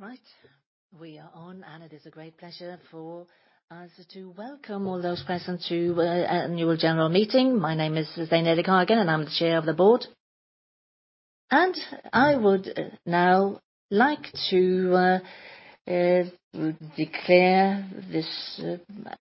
Right, we are on, and it is a great pleasure for us to welcome all those present to our annual general meeting. My name is Stein Erik Hagen, and I'm the chair of the board, and I would now like to declare this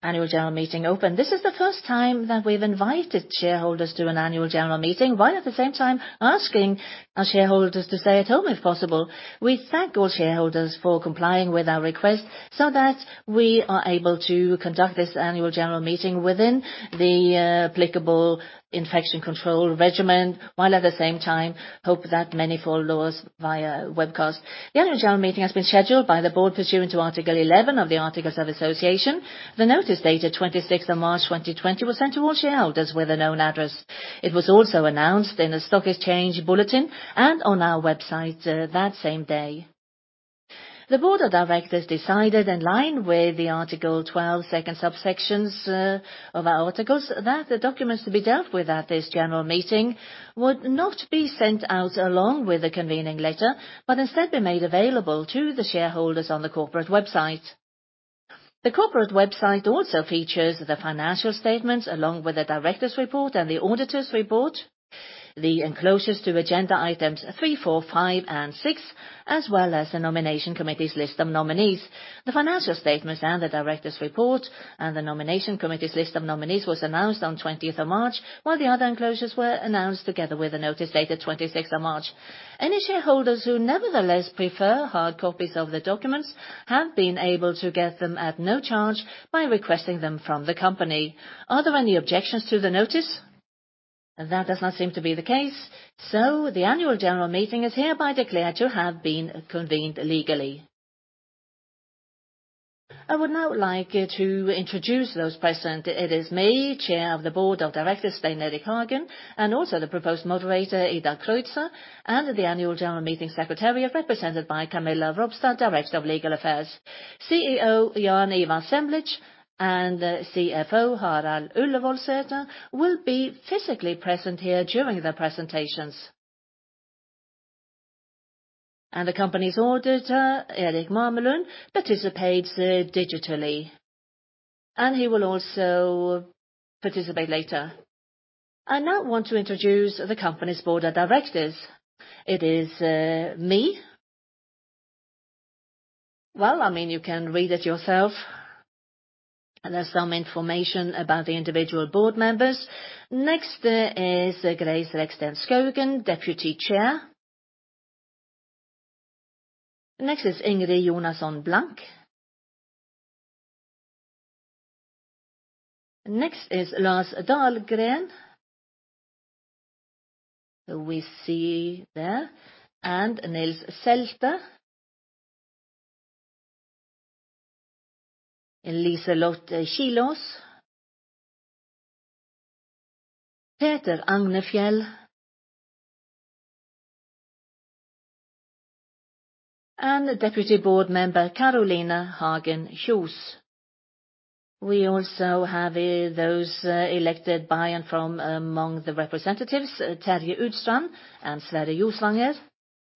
annual general meeting open. This is the first time that we've invited shareholders to an annual general meeting, while at the same time asking our shareholders to stay at home if possible. We thank all shareholders for complying with our request, so that we are able to conduct this annual general meeting within the applicable infection control regimen, while at the same time hope that many follow us via webcast. The annual general meeting has been scheduled by the board pursuant to Article eleven of the Articles of Association. The notice dated 26/03/2020, was sent to all shareholders with a known address. It was also announced in a stock exchange bulletin and on our website, that same day. The board of directors decided, in line with the Article twelve, second subsections, of our articles, that the documents to be dealt with at this general meeting would not be sent out along with a convening letter, but instead be made available to the shareholders on the corporate website. The corporate website also features the financial statements, along with the directors' report and the auditors' report, the enclosures to agenda items three, four, five, and six, as well as the Nomination Committee's list of nominees. The financial statements and the directors' report, and the Nomination Committee’s list of nominees was announced on March 28th, while the other enclosures were announced together with the notice dated March 26th. Any shareholders who nevertheless prefer hard copies of the documents have been able to get them at no charge by requesting them from the company. Are there any objections to the notice? That does not seem to be the case, so the Annual General Meeting is hereby declared to have been convened legally. I would now like to introduce those present. It is me, Chair of the Board of Directors, Stein Erik Hagen, and also the proposed moderator, Ida Espolin Johnson, and the Annual General Meeting secretariat, represented by Camilla Teljesdal Robstad, Director of Legal Affairs. CEO, Jan Ivar Semlitsch, and CFO, Harald Ullevoldsæter, will be physically present here during the presentations. The company's auditor, Erik Mamelund, participates digitally, and he will also participate later. I now want to introduce the company's board of directors. It is me. Well, I mean, you can read it yourself. There's some information about the individual board members. Next is Grace Reksten Skaugen, Deputy Chair. Next is Ingrid Jonasson Blank. Next is Lars Dahlgren, who we see there, and Nils Selte. Liselott Kilaas. Peter Agnefjäll. And Deputy Board Member Caroline Hagen Kjos. We also have those elected by and from among the representatives, Terje Udstrand and Sverre Josvanger,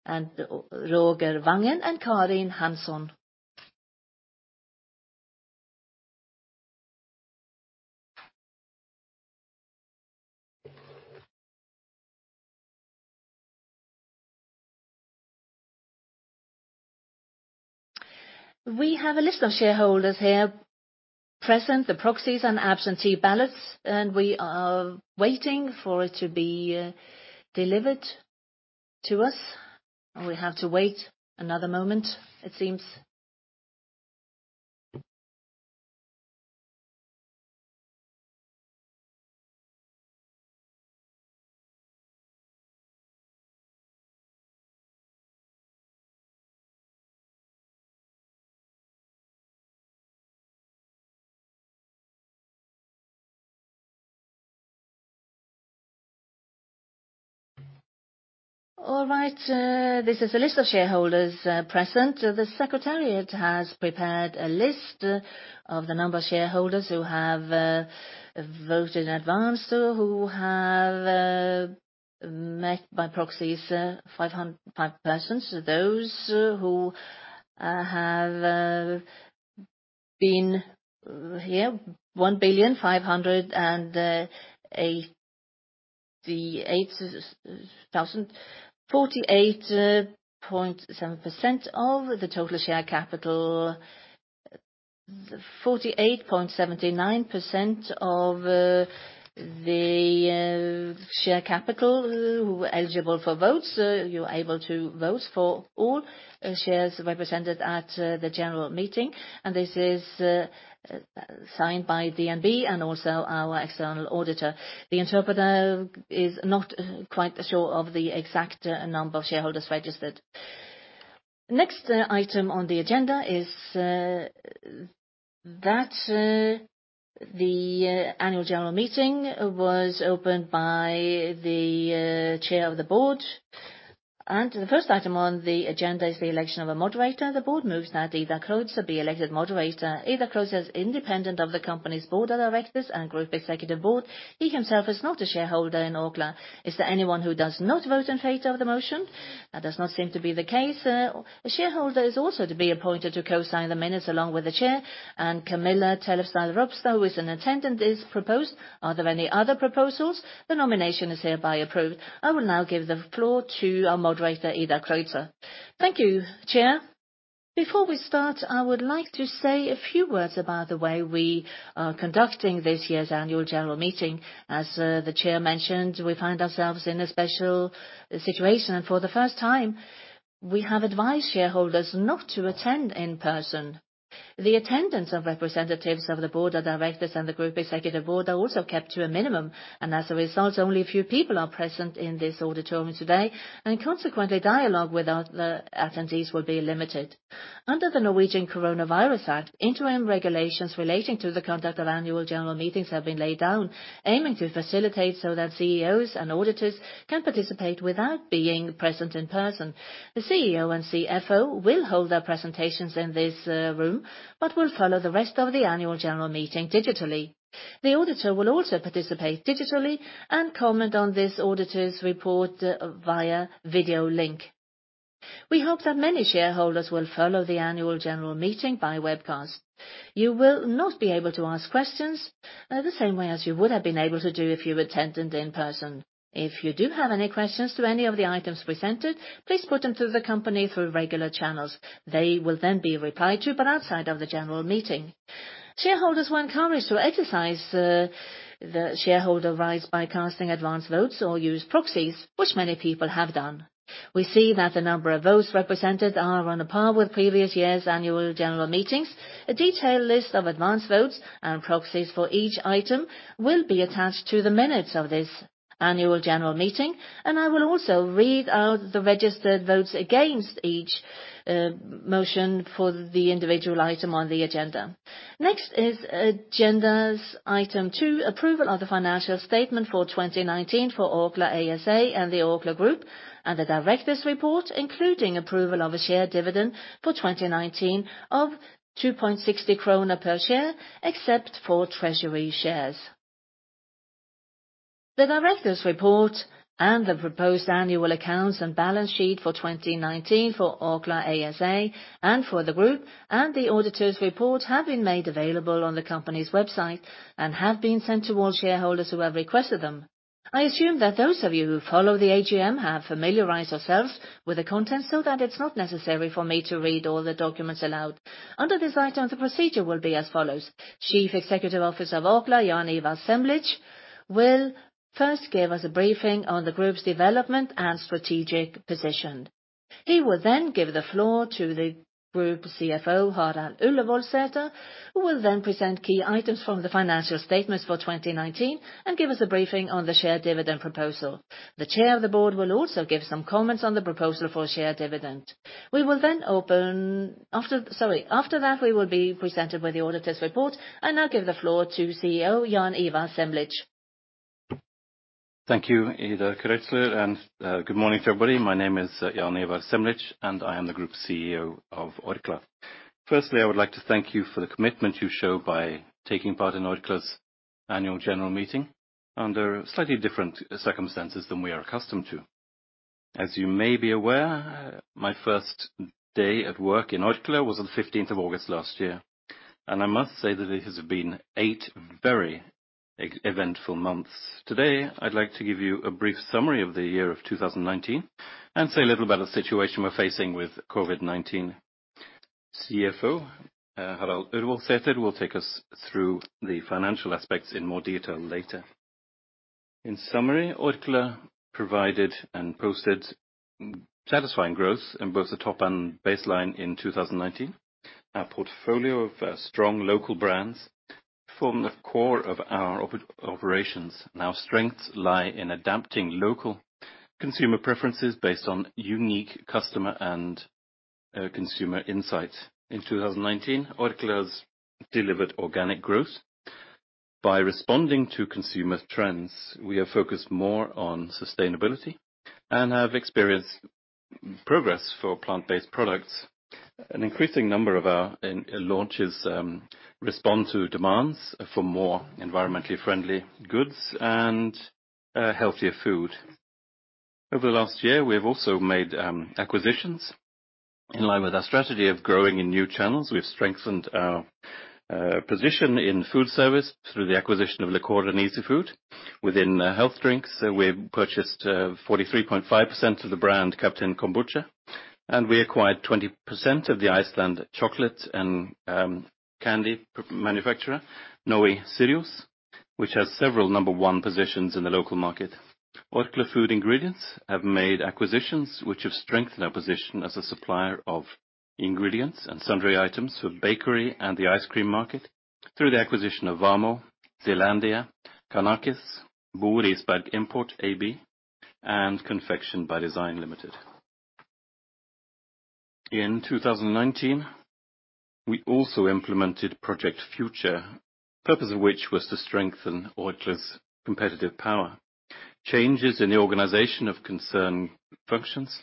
and Roger Vangen and Karin Hansson. We have a list of shareholders here present, the proxies and absentee ballots, and we are waiting for it to be delivered to us. We have to wait another moment, it seems. All right, this is the list of shareholders present. The secretariat has prepared a list of the number of shareholders who have voted in advance or who have met by proxies, 505 persons. Those who have been here, 1,000,588,000 shares; 48.7% of the total share capital. 48.79% of the share capital who were eligible for votes. You're able to vote for all shares represented at the general meeting, and this is signed by DNB and also our external auditor. The interpreter is not quite sure of the exact number of shareholders registered. Next, item on the agenda is that the annual general meeting was opened by the chair of the board. And the first item on the agenda is the election of a moderator. The board moves that Ida Espolin Johnson be elected moderator. Ida Espolin Johnson is independent of the company's board of directors and group executive board. She herself is not a shareholder in Orkla. Is there anyone who does not vote in favor of the motion? That does not seem to be the case. A shareholder is also to be appointed to co-sign the minutes along with the chair, and Camilla Teljesdal Robstad, who is in attendance, is proposed. Are there any other proposals? The nomination is hereby approved. I will now give the floor to our moderator, Ida Espolin Johnson. Thank you, Chair. Before we start, I would like to say a few words about the way we are conducting this year's annual general meeting. As the chair mentioned, we find ourselves in a special situation, and for the first time, we have advised shareholders not to attend in person. The attendance of representatives of the Board of Directors and the group executive board are also kept to a minimum, and as a result, only a few people are present in this auditorium today, and consequently, dialogue with other attendees will be limited. Under the Norwegian Coronavirus Act, interim regulations relating to the conduct of Annual General Meetings have been laid down, aiming to facilitate so that CEOs and auditors can participate without being present in person. The CEO and CFO will hold their presentations in this room, but will follow the rest of the Annual General Meeting digitally. The auditor will also participate digitally, and comment on this auditor's report via video link. We hope that many shareholders will follow the Annual General Meeting by webcast. You will not be able to ask questions the same way as you would have been able to do if you attended in person. If you do have any questions to any of the items presented, please put them through the company through regular channels. They will then be replied to, but outside of the general meeting. Shareholders were encouraged to exercise the shareholder rights by casting advanced votes or use proxies, which many people have done. We see that the number of votes represented are on par with previous years' annual general meetings. A detailed list of advanced votes and proxies for each item will be attached to the minutes of this annual general meeting, and I will also read out the registered votes against each motion for the individual item on the agenda. Next is agenda item two, approval of the financial statement for 2019 for Orkla ASA and the Orkla Group, and the directors' report, including approval of a share dividend for 2019 of 2.60 krone per share, except for treasury shares. The directors' report and the proposed annual accounts and balance sheet for 2019 for Orkla ASA and for the group, and the auditors' report, have been made available on the company's website and have been sent to all shareholders who have requested them. I assume that those of you who follow the AGM have familiarized yourselves with the contents so that it's not necessary for me to read all the documents aloud. Under this item, the procedure will be as follows: Chief Executive Officer of Orkla, Jan Ivar Semlitsch, will first give us a briefing on the group's development and strategic position. He will then give the floor to the Group CFO, Harald Ullevoldsæter, who will then present key items from the financial statements for 2019 and give us a briefing on the share dividend proposal. The Chair of the Board will also give some comments on the proposal for share dividend. We will then open... After, sorry, after that, we will be presented with the auditor's report. I now give the floor to CEO Jan Ivar Semlitsch. Thank you, Ida Espolin Johnson, and good morning to everybody. My name is Jan Ivar Semlitsch, and I am the Group CEO of Orkla. Firstly, I would like to thank you for the commitment you show by taking part in Orkla's annual general meeting under slightly different circumstances than we are accustomed to. As you may be aware, my first day at work in Orkla was on the fifteenth of August last year, and I must say that it has been eight very eventful months. Today, I'd like to give you a brief summary of the year of 2019, and say a little about the situation we're facing with COVID-19. CFO 2019. Our portfolio of strong local brands form the core of our operations, and our strengths lie in adapting local consumer preferences based on unique customer and consumer insights. In 2019, Orkla's delivered organic growth. By responding to consumer trends, we are focused more on sustainability and have experienced progress for plant-based products. An increasing number of our launches respond to demands for more environmentally friendly goods and healthier food. Over the last year, we have also made acquisitions. In line with our strategy of growing in new channels, we've strengthened our position in food service through the acquisition of Lecora and Easyfood. Within health drinks, we've purchased 43.5% of the brand, Captain Kombucha, and we acquired 20% of the Iceland chocolate and candy manufacturer, Nói Síríus, which has several number one positions in the local market. Orkla Food Ingredients have made acquisitions which have strengthened our position as a supplier of ingredients and sundry items for bakery and the ice cream market through the acquisition of Vamo, Zeelandia, Kanakis, Risberg Import AB, and Confection by Design Limited. In 2019, we also implemented Project Future, purpose of which was to strengthen Orkla's competitive power. Changes in the organization of concerned functions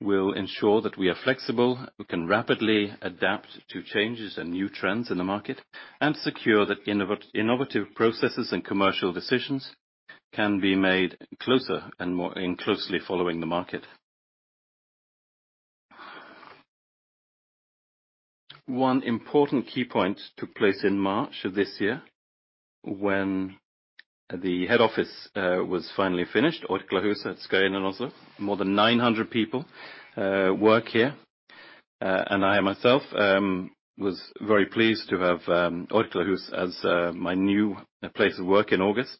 will ensure that we are flexible, we can rapidly adapt to changes and new trends in the market, and secure that innovative processes and commercial decisions can be made closer and more closely following the market. One important key point took place in March of this year, when the head office was finally finished, Orklahuset at Skøyen in Oslo. More than 900 people work here, and I, myself, was very pleased to have Orklahuset as my new place of work in August,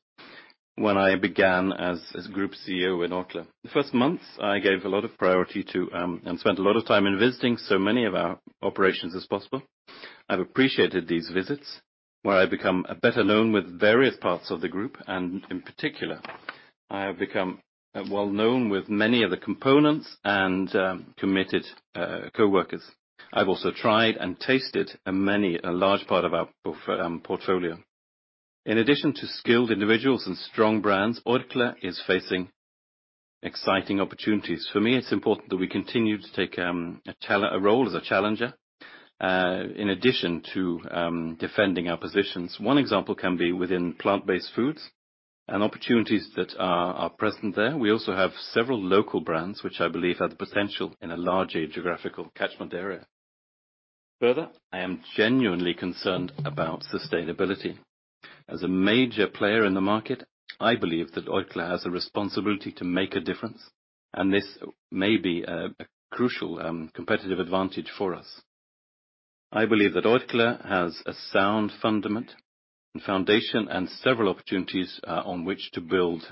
when I began as Group CEO in Orkla. The first months, I gave a lot of priority to and spent a lot of time in visiting so many of our operations as possible. I've appreciated these visits, where I become better known with various parts of the group, and in particular, I have become well known with many of the competent and committed coworkers. I've also tried and tasted a large part of our portfolio. In addition to skilled individuals and strong brands, Orkla is facing exciting opportunities. For me, it's important that we continue to take a role as a challenger in addition to defending our positions. One example can be within plant-based foods and opportunities that are present there. We also have several local brands, which I believe have the potential in a larger geographical catchment area. Further, I am genuinely concerned about sustainability. As a major player in the market, I believe that Orkla has a responsibility to make a difference, and this may be a crucial competitive advantage for us. I believe that Orkla has a sound fundament and foundation, and several opportunities on which to build.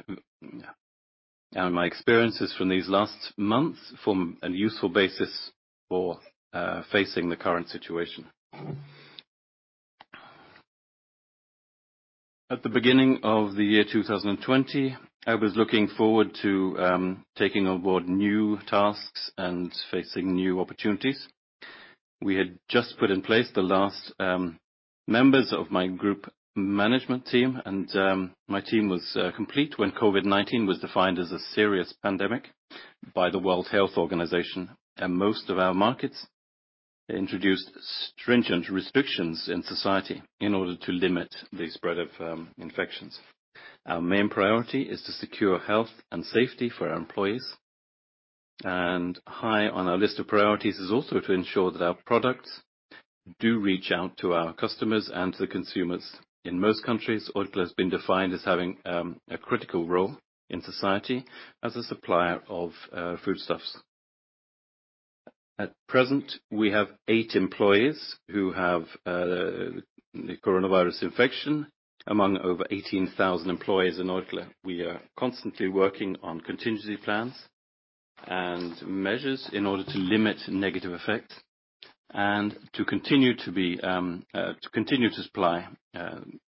And my experiences from these last months form a useful basis for facing the current situation. At the beginning of the 2020, I was looking forward to taking on board new tasks and facing new opportunities. We had just put in place the last members of my group management team, and my team was complete when COVID-19 was defined as a serious pandemic by the World Health Organization, and most of our markets introduced stringent restrictions in society in order to limit the spread of infections. Our main priority is to secure health and safety for our employees. And high on our list of priorities is also to ensure that our products do reach out to our customers and to the consumers. In most countries, Orkla has been defined as having a critical role in society as a supplier of foodstuffs. At present, we have eight employees who have the coronavirus infection among over 18,000 employees in Orkla. We are constantly working on contingency plans and measures in order to limit negative effects, and to continue to supply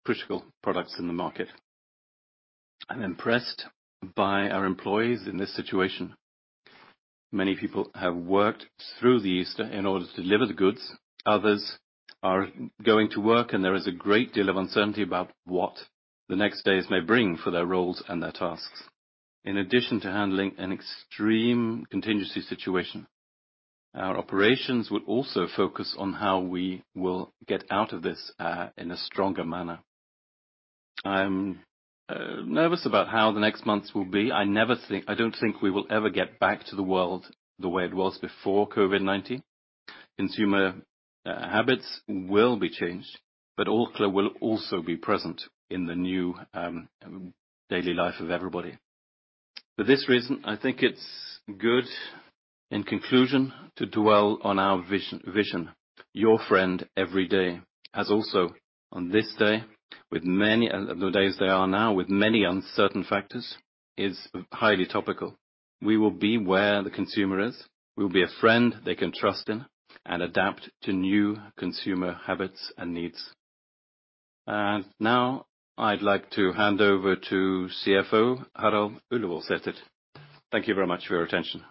critical products in the market. I'm impressed by our employees in this situation. Many people have worked through the Easter in order to deliver the goods. Others are going to work, and there is a great deal of uncertainty about what the next days may bring for their roles and their tasks. In addition to handling an extreme contingency situation, our operations will also focus on how we will get out of this in a stronger manner. I'm nervous about how the next months will be. I don't think we will ever get back to the world the way it was before COVID-19. Consumer habits will be changed, but Orkla will also be present in the new daily life of everybody. For this reason, I think it's good, in conclusion, to dwell on our vision. Your friend every day, as also on this day with many uncertain factors, is highly topical. We will be where the consumer is. We will be a friend they can trust in and adapt to new consumer habits and needs. And now, I'd like to hand over to CFO Harald Ullevoldsæter. Thank you very much for your attention.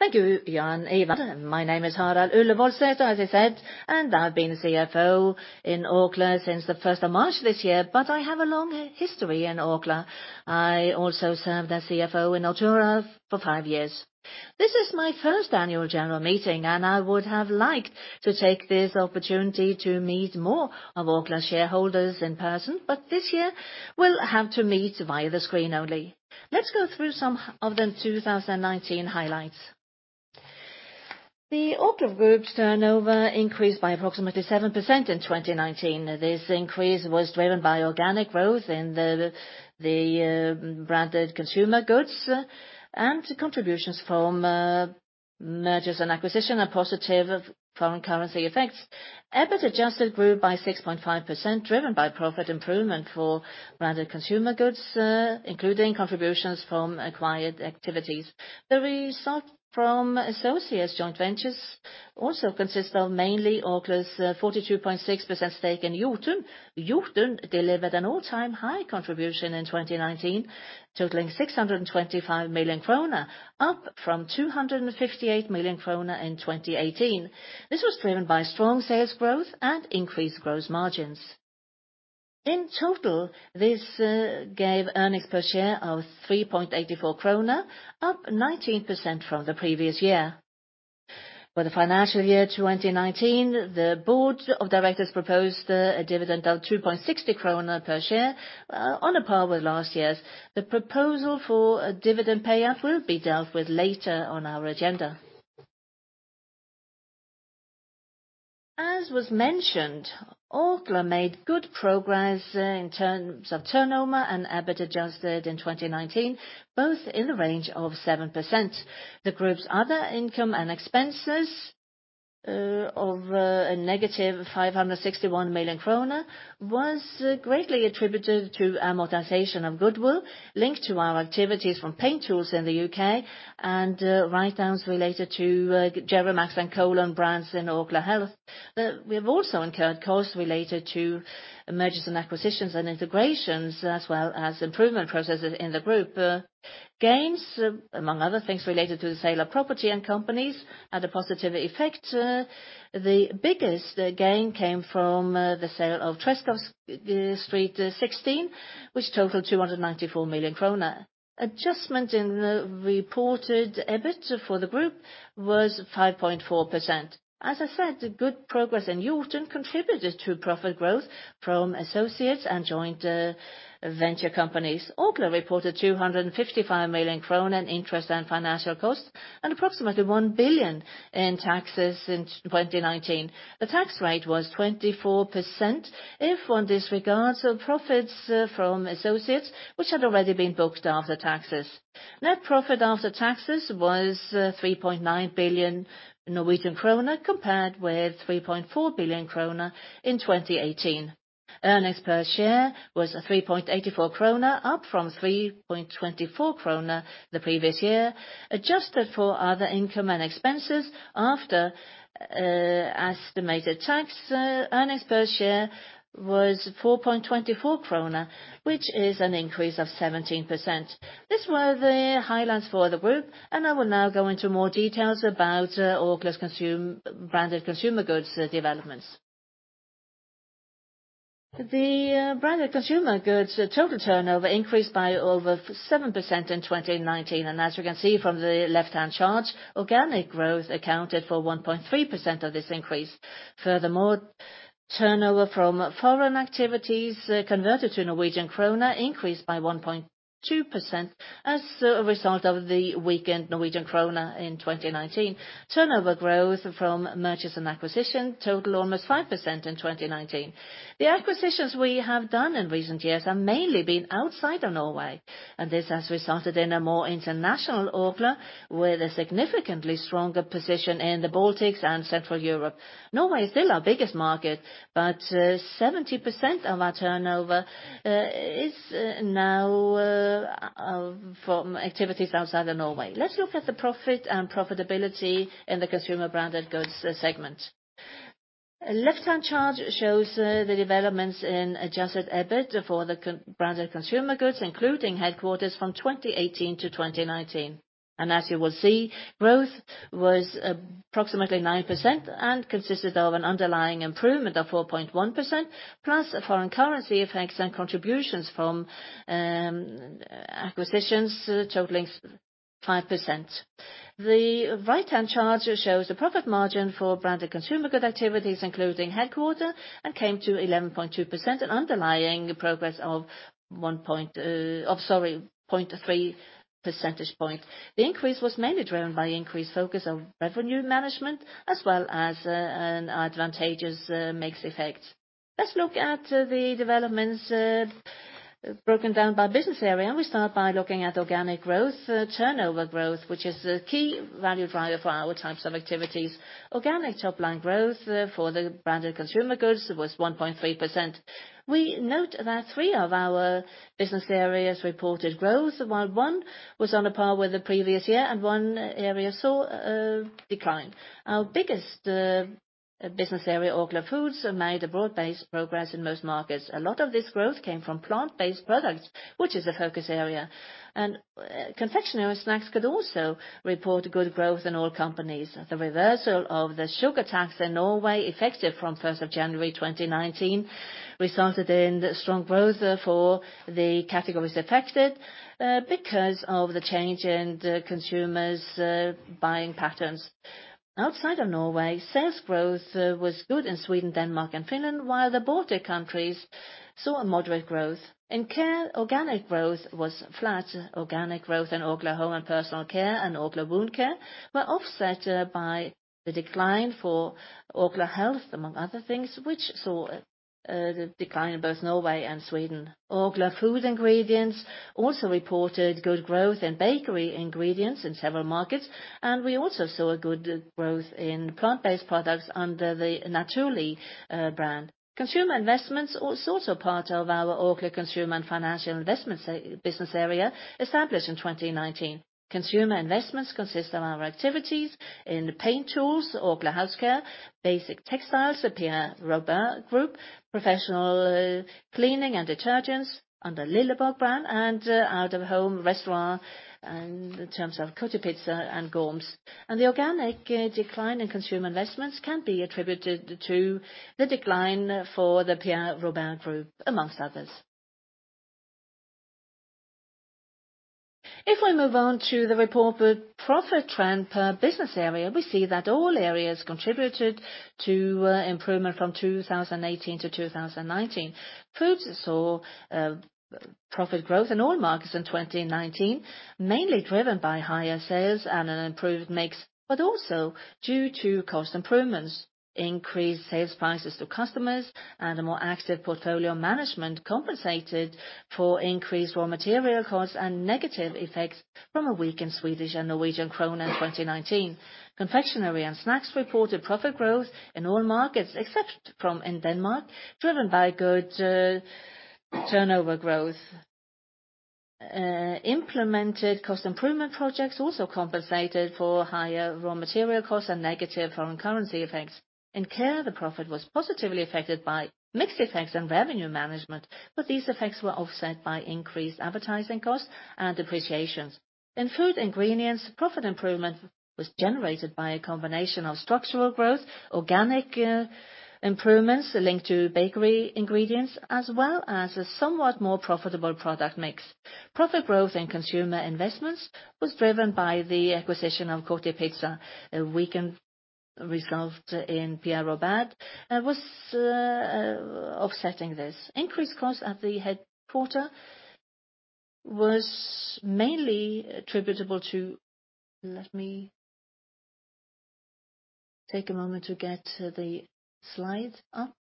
Thank you, Jan Ivar. My name is Harald Ullevoldsæter, as he said, and I've been CFO in Orkla since the first of March this year, but I have a long history in Orkla. I also served as CFO in Nortura for five years. This is my first annual general meeting, and I would have liked to take this opportunity to meet more of Orkla's shareholders in person, but this year, we'll have to meet via the screen only. Let's go through some of the 2019 highlights. The Orkla group's turnover increased by approximately 7% in 2019. This increase was driven by organic growth in the branded consumer goods and contributions from mergers and acquisition and positive foreign currency effects. EBIT adjusted grew by 6.5%, driven by profit improvement for Branded Consumer Goods, including contributions from acquired activities. The result from associates joint ventures also consist of mainly Orkla's 42.6% stake in Jotun. Jotun delivered an all-time high contribution in 2019, totaling 625 million krone, up from 258 million krone in 2018. This was driven by strong sales growth and increased gross margins. In total, this gave earnings per share of 3.84 kroner, up 19% from the previous year. For the financial year 2019, the Board of Directors proposed a dividend of 2.60 krone per share, on a par with last year's. The proposal for a dividend payout will be dealt with later on our agenda. As was mentioned, Orkla made good progress in terms of turnover and EBIT adjusted in 2019, both in the range of 7%. The group's other income and expenses of a negative 561 million kroner was greatly attributed to amortization of goodwill, linked to our activities from Paint Tools in the UK, and writedowns related to Gerimax and Colon brands in Orkla Health. We have also incurred costs related to mergers and acquisitions and integrations, as well as improvement processes in the group. Gains, among other things related to the sale of property and companies, had a positive effect. The biggest gain came from the sale of Treschows gate 16, which totaled 294 million kroner. Adjustment in the reported EBIT for the group was 5.4%. As I said, good progress in Jotun contributed to profit growth from associates and joint venture companies. Orkla reported 255 million krone in interest and financial costs, and approximately 1 billion in taxes in 2019. The tax rate was 24% if one disregards the profits from associates which had already been booked after taxes. Net profit after taxes was 3.9 billion Norwegian kroner, compared with 3.4 billion kroner in 2018. Earnings per share was 3.84 kroner, up from 3.24 kroner the previous year. Adjusted for other income and expenses, after estimated tax, earnings per share was 4.24 kroner, which is an increase of 17%. These were the highlights for the group, and I will now go into more details about Orkla's consume- Branded Consumer Goods developments. The Branded Consumer Goods total turnover increased by over 7% in 2019, and as you can see from the left-hand chart, organic growth accounted for 1.3% of this increase. Furthermore, turnover from foreign activities, converted to Norwegian kroner, increased by 1.2% as a result of the weakened Norwegian kroner in 2019. Turnover growth from mergers and acquisition total almost 5% in 2019. The acquisitions we have done in recent years have mainly been outside of Norway, and this has resulted in a more international Orkla, with a significantly stronger position in the Baltics and Central Europe. Norway is still our biggest market, but, 70% of our turnover is now from activities outside of Norway. Let's look at the profit and profitability in the Consumer Branded Goods segment. A left-hand chart shows the developments in adjusted EBIT for the Branded Consumer Goods, including headquarters from 2018-2019. As you will see, growth was approximately 9% and consisted of an underlying improvement of 4.1%, plus foreign currency effects and contributions from acquisitions totaling 5%. The right-hand chart shows the profit margin for Branded Consumer Goods activities, including headquarters, and came to 11.2%, an underlying progress of 0.3 percentage point. The increase was mainly driven by increased focus on revenue management, as well as an advantageous mix effect. Let's look at the developments broken down by business area. We start by looking at organic growth, turnover growth, which is a key value driver for our types of activities. Organic top-line growth for the Branded Consumer Goods was 1.3%. We note that three of our business areas reported growth, while one was on a par with the previous year and one area saw a decline. Our biggest business area, Orkla Foods, made a broad-based progress in most markets. A lot of this growth came from plant-based products, which is a focus area. And Confectionery & Snacks could also report good growth in all companies. The reversal of the sugar tax in Norway, effective from first of January, 2019, resulted in strong growth for the categories affected because of the change in the consumers' buying patterns. Outside of Norway, sales growth was good in Sweden, Denmark, and Finland, while the Baltic countries saw a moderate growth. In Care, organic growth was flat. Organic growth in Orkla Home and Personal Care and Orkla Wound Care were offset by the decline for Orkla Health, among other things, which saw the decline in both Norway and Sweden. Orkla Food Ingredients also reported good growth in bakery ingredients in several markets, and we also saw a good growth in plant-based products under the Naturli' brand. Consumer Investments are also part of our Orkla Consumer and Financial Investments business area, established in 2019. Consumer Investments consist of our activities in paint tools, Orkla House Care, basic textiles, the Pierre Robert Group, professional cleaning and detergents under Lilleborg brand, and out of home restaurant in terms of Kotipizza and Gorm's. And the organic decline in Consumer Investments can be attributed to the decline for the Pierre Robert Group, among others. If we move on to the reported profit trend per business area, we see that all areas contributed to improvement from 2018 to 2019. Foods saw profit growth in all markets in 2019, mainly driven by higher sales and an improved mix, but also due to cost improvements. Increased sales prices to customers and a more active portfolio management compensated for increased raw material costs and negative effects from a weakened Swedish and Norwegian kroner in 2019. Confectionery & Snacks reported profit growth in all markets, except from in Denmark, driven by good turnover growth. Implemented cost improvement projects also compensated for higher raw material costs and negative foreign currency effects. In Care, the profit was positively affected by mix effects and revenue management, but these effects were offset by increased advertising costs and depreciations. In Food Ingredients, profit improvement was generated by a combination of structural growth, organic improvements linked to bakery ingredients, as well as a somewhat more profitable product mix. Profit growth in Consumer Investments was driven by the acquisition of Kotipizza, a weakened result in Pierre Robert was offsetting this. Increased costs at headquarters was mainly attributable to. Let me take a moment to get the slide up.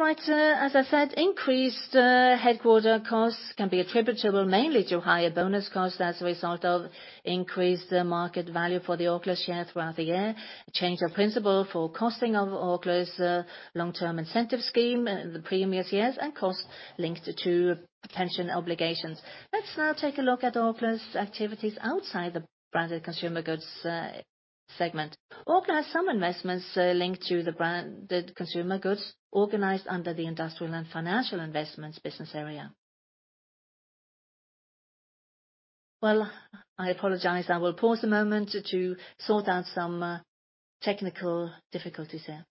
All right, as I said, increased headquarters costs can be attributable mainly to higher bonus costs as a result of increased market value for the Orkla share throughout the year, a change of principle for costing of Orkla's long-term incentive scheme in the previous years, and costs linked to pension obligations. Let's now take a look at Orkla's activities outside the branded consumer goods segment. Orkla has some investments, linked to the branded consumer goods, organized under the Industrial and Financial Investments business area. Well, I apologize. I will pause a moment to sort out some, technical difficulties there.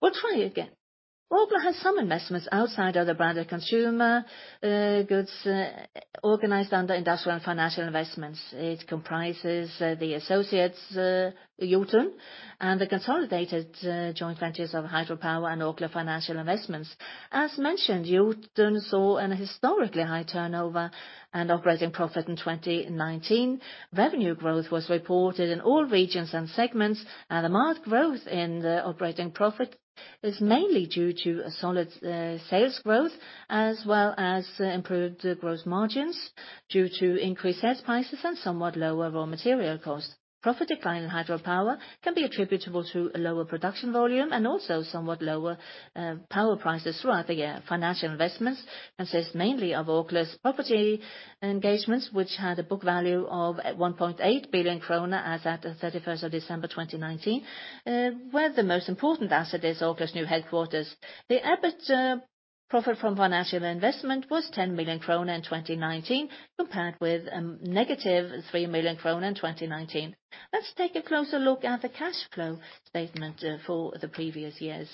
We'll try again. Orkla has some investments outside of the branded consumer, goods, organized under Industrial and Financial Investments. It comprises, the associates, Jotun, and the consolidated, joint ventures of Hydro Power and Orkla Financial Investments. As mentioned, Jotun saw an historically high turnover and operating profit in 2019. Revenue growth was reported in all regions and segments, and the marked growth in the operating profit is mainly due to a solid, sales growth, as well as improved growth margins due to increased sales prices and somewhat lower raw material costs. Profit decline in Hydro Power can be attributable to a lower production volume and also somewhat lower, power prices throughout the year. Financial Investments consists mainly of Orkla's property engagements, which had a book value of 1.8 billion kroner as at the 31/12/2019, where the most important asset is Orkla's new headquarters. The EBIT, profit from financial investment was 10 million krone in 2019, compared with, -3 million krone in 2019. Let's take a closer look at the cash flow statement, for the previous years.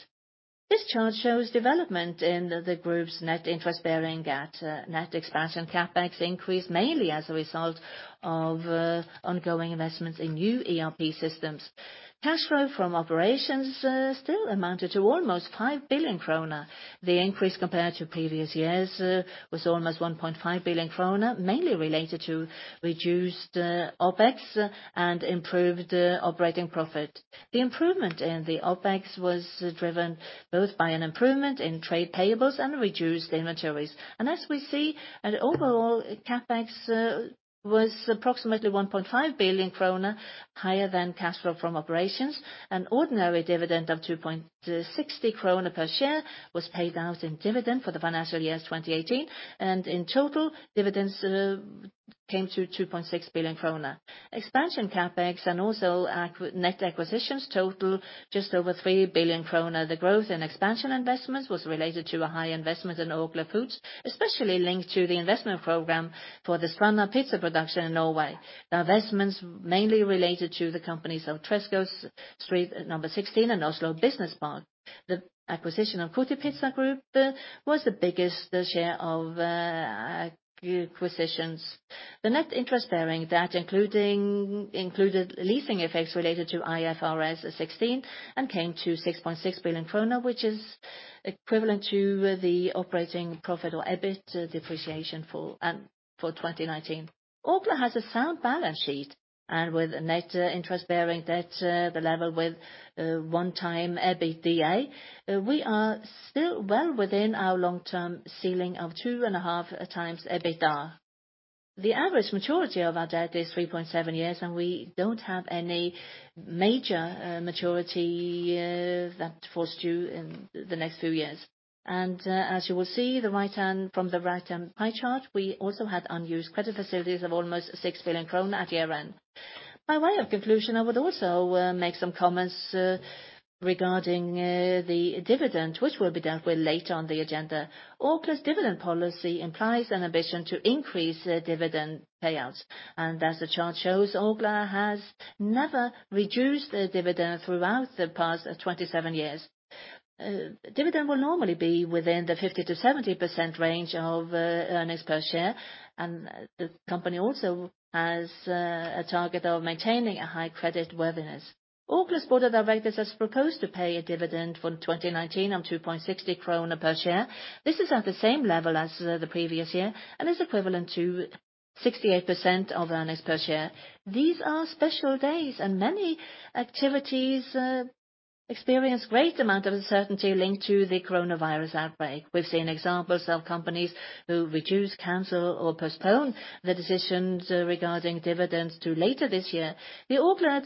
This chart shows development in the group's net interest-bearing debt, net expansion CapEx increased mainly as a result of, ongoing investments in new ERP systems. Cash flow from operations, still amounted to almost 5 billion kroner. The increase compared to previous years was almost 1.5 billion kroner, mainly related to reduced OpEx and improved operating profit. The improvement in the OpEx was driven both by an improvement in trade payables and reduced inventories. And as we see, an overall CapEx was approximately 1.5 billion krone higher than cash flow from operations. An ordinary dividend of 2.60 krone per share was paid out in dividend for the financial year 2018, and in total, dividends came to 2.6 billion krone. Expansion CapEx and also net acquisitions total just over 3 billion krone. The growth in expansion investments was related to a high investment in Orkla Foods, especially linked to the investment program for the Stranda Pizza production in Norway. The investments mainly related to the companies of Treschow Street number 16, and Oslo Business Park. The acquisition of Kotipizza Group was the biggest share of acquisitions. The net interest bearing debt, including leasing effects related to IFRS 16, and came to 6.6 billion krone, which is equivalent to the operating profit or EBITDA for 2019. Orkla has a sound balance sheet, and with a net interest bearing debt the level with 1x EBITDA, we are still well within our long-term ceiling of 2.5 times EBITDA. The average maturity of our debt is 3.7 years, and we don't have any major maturity that falls due in the next few years. And, as you will see, from the right-hand pie chart, we also had unused credit facilities of almost 6 billion kroner at year-end. By way of conclusion, I would also make some comments regarding the dividend, which will be dealt with later on the agenda. Orkla's dividend policy implies an ambition to increase the dividend payouts. And as the chart shows, Orkla has never reduced the dividend throughout the past 27 years. Dividend will normally be within the 50%-70% range of earnings per share, and the company also has a target of maintaining a high credit worthiness. Orkla's Board of Directors has proposed to pay a dividend for 2019 of 2.60 krone per share. This is at the same level as the previous year, and is equivalent to 68% of earnings per share. These are special days, and many activities experience great amount of uncertainty linked to the coronavirus outbreak. We've seen examples of companies who reduce, cancel, or postpone the decisions regarding dividends to later this year. The Orkla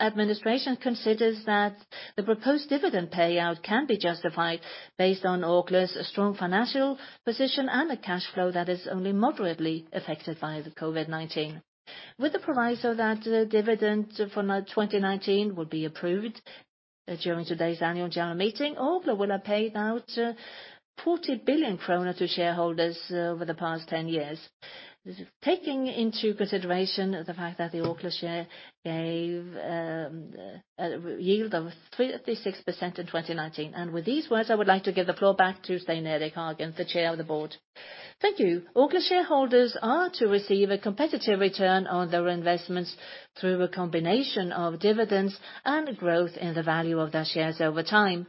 administration considers that the proposed dividend payout can be justified based on Orkla's strong financial position and a cash flow that is only moderately affected by the COVID-19. With the proviso that dividend for 2019 will be approved during today's annual general meeting, Orkla will have paid out 40 billion kroner to shareholders over the past 10 years. Taking into consideration the fact that the Orkla share gave a yield of 36% in 2019. And with these words, I would like to give the floor back to Stein Erik Hagen, the Chair of the Board. Thank you. Orkla's shareholders are to receive a competitive return on their investments through a combination of dividends and growth in the value of their shares over time.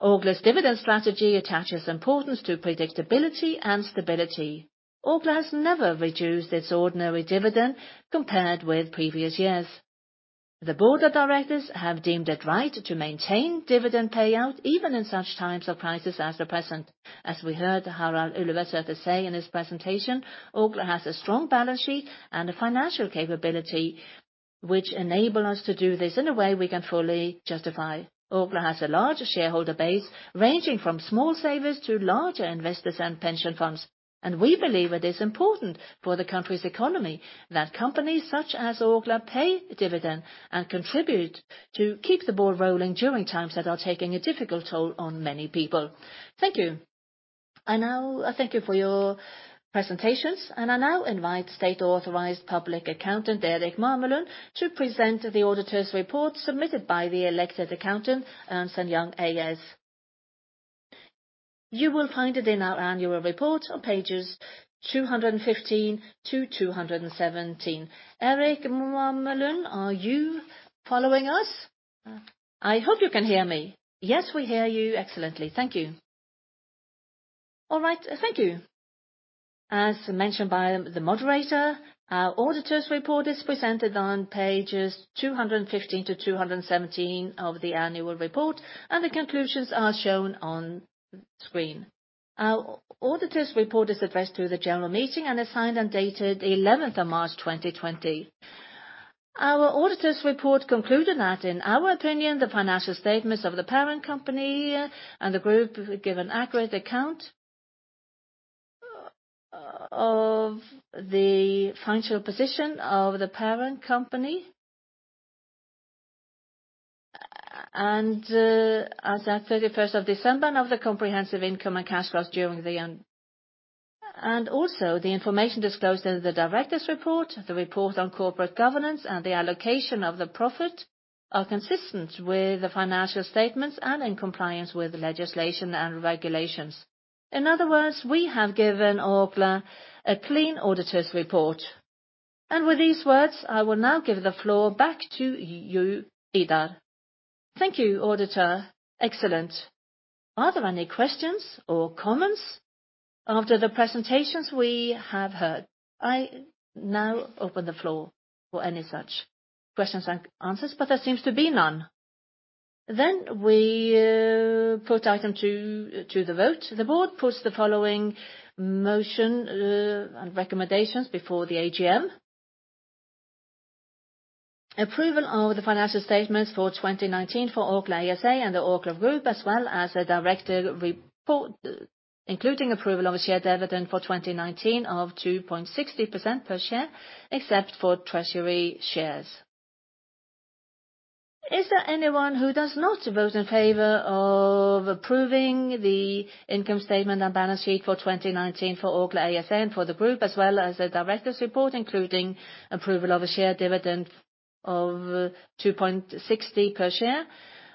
Orkla's dividend strategy attaches importance to predictability and stability. Orkla has never reduced its ordinary dividend compared with previous years. The Board of Directors have deemed it right to maintain dividend payout, even in such times of crisis as the present. As we heard Harald Ullevoldsæter say in his presentation, Orkla has a strong balance sheet and a financial capability which enable us to do this in a way we can fully justify. Orkla has a large shareholder base, ranging from small savers to larger investors and pension funds, and we believe it is important for the country's economy that companies such as Orkla pay dividend and contribute to keep the ball rolling during times that are taking a difficult toll on many people. Thank you. I now thank you for your presentations, and I now invite State Authorized Public Accountant Erik Mamelund to present the auditor's report submitted by the elected accountant, Ernst & Young AS. You will find it in our annual report on pages 215 to 217. Erik Mamelund, are you following us? I hope you can hear me. Yes, we hear you excellently. Thank you. All right, thank you. As mentioned by the moderator, our auditor's report is presented on pages 215-217 of the annual report, and the conclusions are shown on screen. Our auditor's report is addressed to the general meeting and is signed and dated 11/03/2020. Our auditor's report concluded that, in our opinion, the financial statements of the parent company and the group give an accurate account of the financial position of the parent company. And, as at thirty-first of December, of the comprehensive income and cash flows during the year. And also, the information disclosed in the directors' report, the report on corporate governance, and the allocation of the profit, are consistent with the financial statements and in compliance with legislation and regulations. In other words, we have given Orkla a clean auditor's report. With these words, I will now give the floor back to you, Ida. Thank you, Auditor. Excellent. Are there any questions or comments after the presentations we have heard? I now open the floor for any such questions and answers, but there seems to be none. We put item two to the vote. The board puts the following motion and recommendations before the AGM: approval of the financial statements for 2019 for Orkla ASA and the Orkla Group, as well as the directors' report, including approval of a share dividend for 2019 of 2.60 per share, except for treasury shares. Is there anyone who does not vote in favor of approving the income statement and balance sheet for 2019 for Orkla ASA and for the group, as well as the director's report, including approval of a share dividend of 2.60 per share?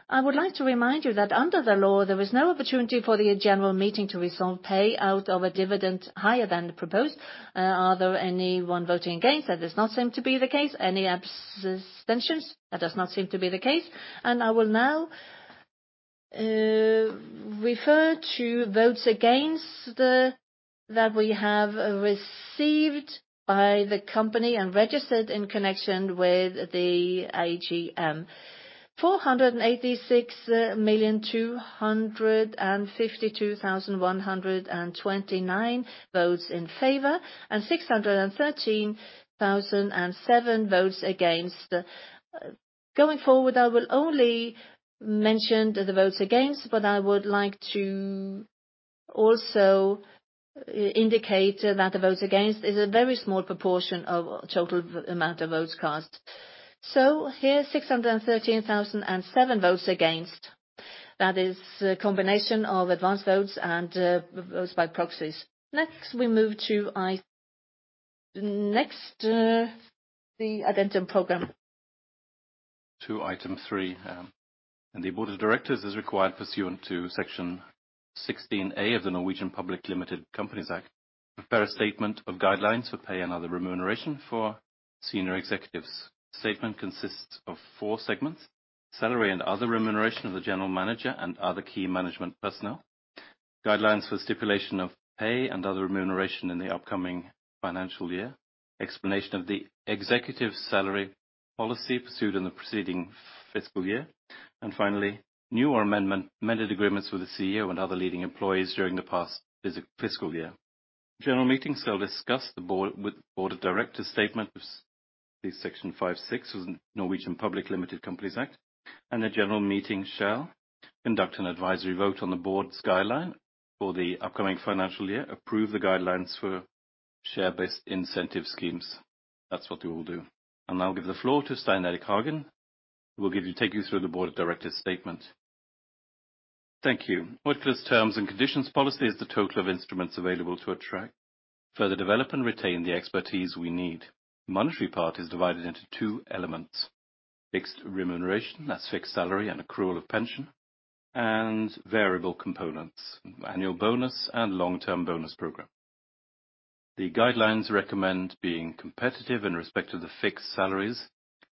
I would like to remind you that under the law, there is no opportunity for the general meeting to resolve payout of a dividend higher than the proposed. Are there anyone voting against? That does not seem to be the case. Any abstentions? That does not seem to be the case. And I will now refer to votes against the, that we have received by the company and registered in connection with the AGM. 486,252,129 votes in favor, and 613,007 votes against. Going forward, I will only mention the votes against, but I would like to also indicate that the votes against is a very small proportion of total amount of votes cast. So here, 613,007 votes against. That is a combination of advanced votes and votes by proxies. Next, we move to Next, the addendum program. To item three, and the Board of Directors is required, pursuant to Section 16 A of the Norwegian Public Limited Companies Act, to prepare a statement of guidelines for pay and other remuneration for senior executives. The statement consists of four segments: salary and other remuneration of the general manager and other key management personnel, guidelines for stipulation of pay and other remuneration in the upcoming financial year, explanation of the executive salary policy pursued in the preceding fiscal year, and finally, new or amended agreements with the CEO and other leading employees during the past fiscal year. General meetings shall discuss the board's statement, Section 5-6 of the Norwegian Public Limited Companies Act, and the general meeting shall conduct an advisory vote on the board's guideline for the upcoming financial year, approve the guidelines for share-based incentive schemes. That's what we will do. I'll now give the floor to Stein Erik Hagen, who will take you through the Board of Directors' statement. Thank you. Orkla's terms and conditions policy is the total of instruments available to attract, further develop, and retain the expertise we need. Monetary part is divided into two elements: fixed remuneration, that's fixed salary and accrual of pension, and variable components, annual bonus, and long-term bonus program. The guidelines recommend being competitive in respect to the fixed salaries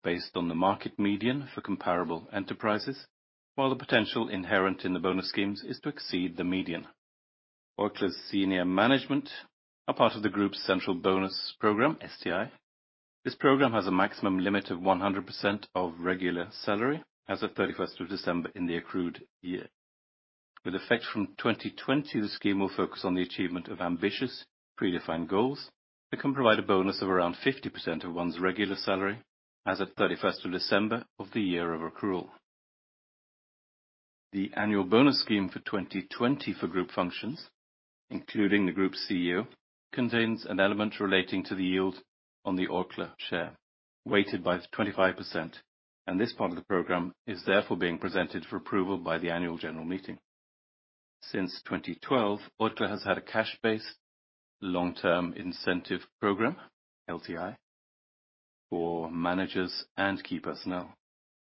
based on the market median for comparable enterprises, while the potential inherent in the bonus schemes is to exceed the median. Orkla's senior management are part of the group's central bonus program, STI. This program has a maximum limit of 100% of regular salary as of thirty-first of December in the accrued year. With effect from 2020, the scheme will focus on the achievement of ambitious predefined goals that can provide a bonus of around 50% of one's regular salary, as of 31st of December of the year of accrual. The annual bonus scheme for 2020 for group functions, including the Group CEO, contains an element relating to the yield on the Orkla share, weighted by 25%, and this part of the program is therefore being presented for approval by the annual general meeting. Since 2012, Orkla has had a cash-based long-term incentive program, LTI, for managers and key personnel.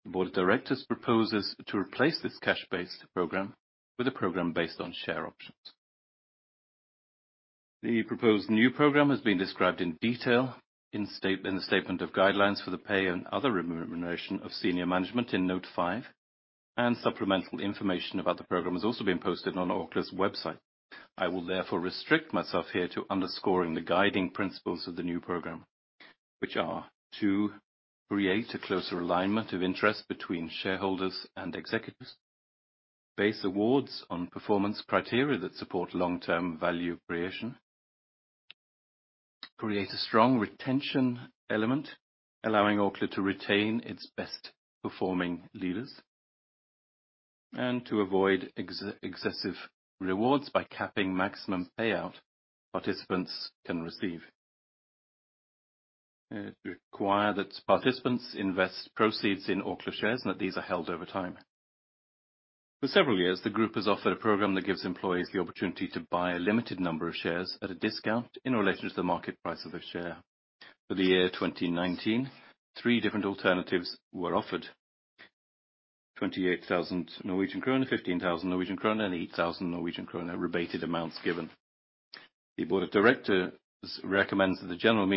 The board of directors proposes to replace this cash-based program with a program based on share options. The proposed new program has been described in detail in the statement of guidelines for the pay and other remuneration of senior management in note five, and supplemental information about the program has also been posted on Orkla's website. I will therefore restrict myself here to underscoring the guiding principles of the new program, which are: to create a closer alignment of interest between shareholders and executives, base awards on performance criteria that support long-term value creation, create a strong retention element, allowing Orkla to retain its best-performing leaders, and to avoid excessive rewards by capping maximum payout participants can receive, require that participants invest proceeds in Orkla shares and that these are held over time. For several years, the group has offered a program that gives employees the opportunity to buy a limited number of shares at a discount in relation to the market price of the share. For the year 2019, three different alternatives were offered: 28,000 Norwegian krone, 15,000 Norwegian krone, and 8,000 Norwegian krone rebated amounts given. The Board of Directors recommends that the general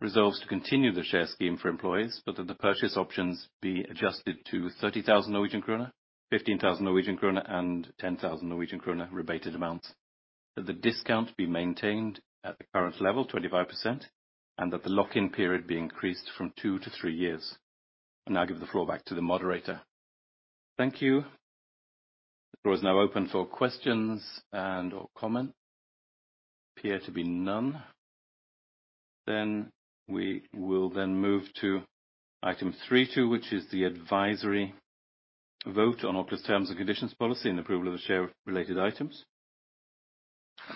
meeting resolves to continue the share scheme for employees, but that the purchase options be adjusted to 30,000 Norwegian kroner, 15,000 Norwegian kroner, and 10,000 Norwegian kroner rebated amounts, that the discount be maintained at the current level, 25%, and that the lock-in period be increased from two to three years. I now give the floor back to the moderator. Thank you. The floor is now open for questions and/or comments.... appear to be none, then we will then move to item three two, which is the advisory vote on Orkla's terms and conditions policy, and approval of the share of related items.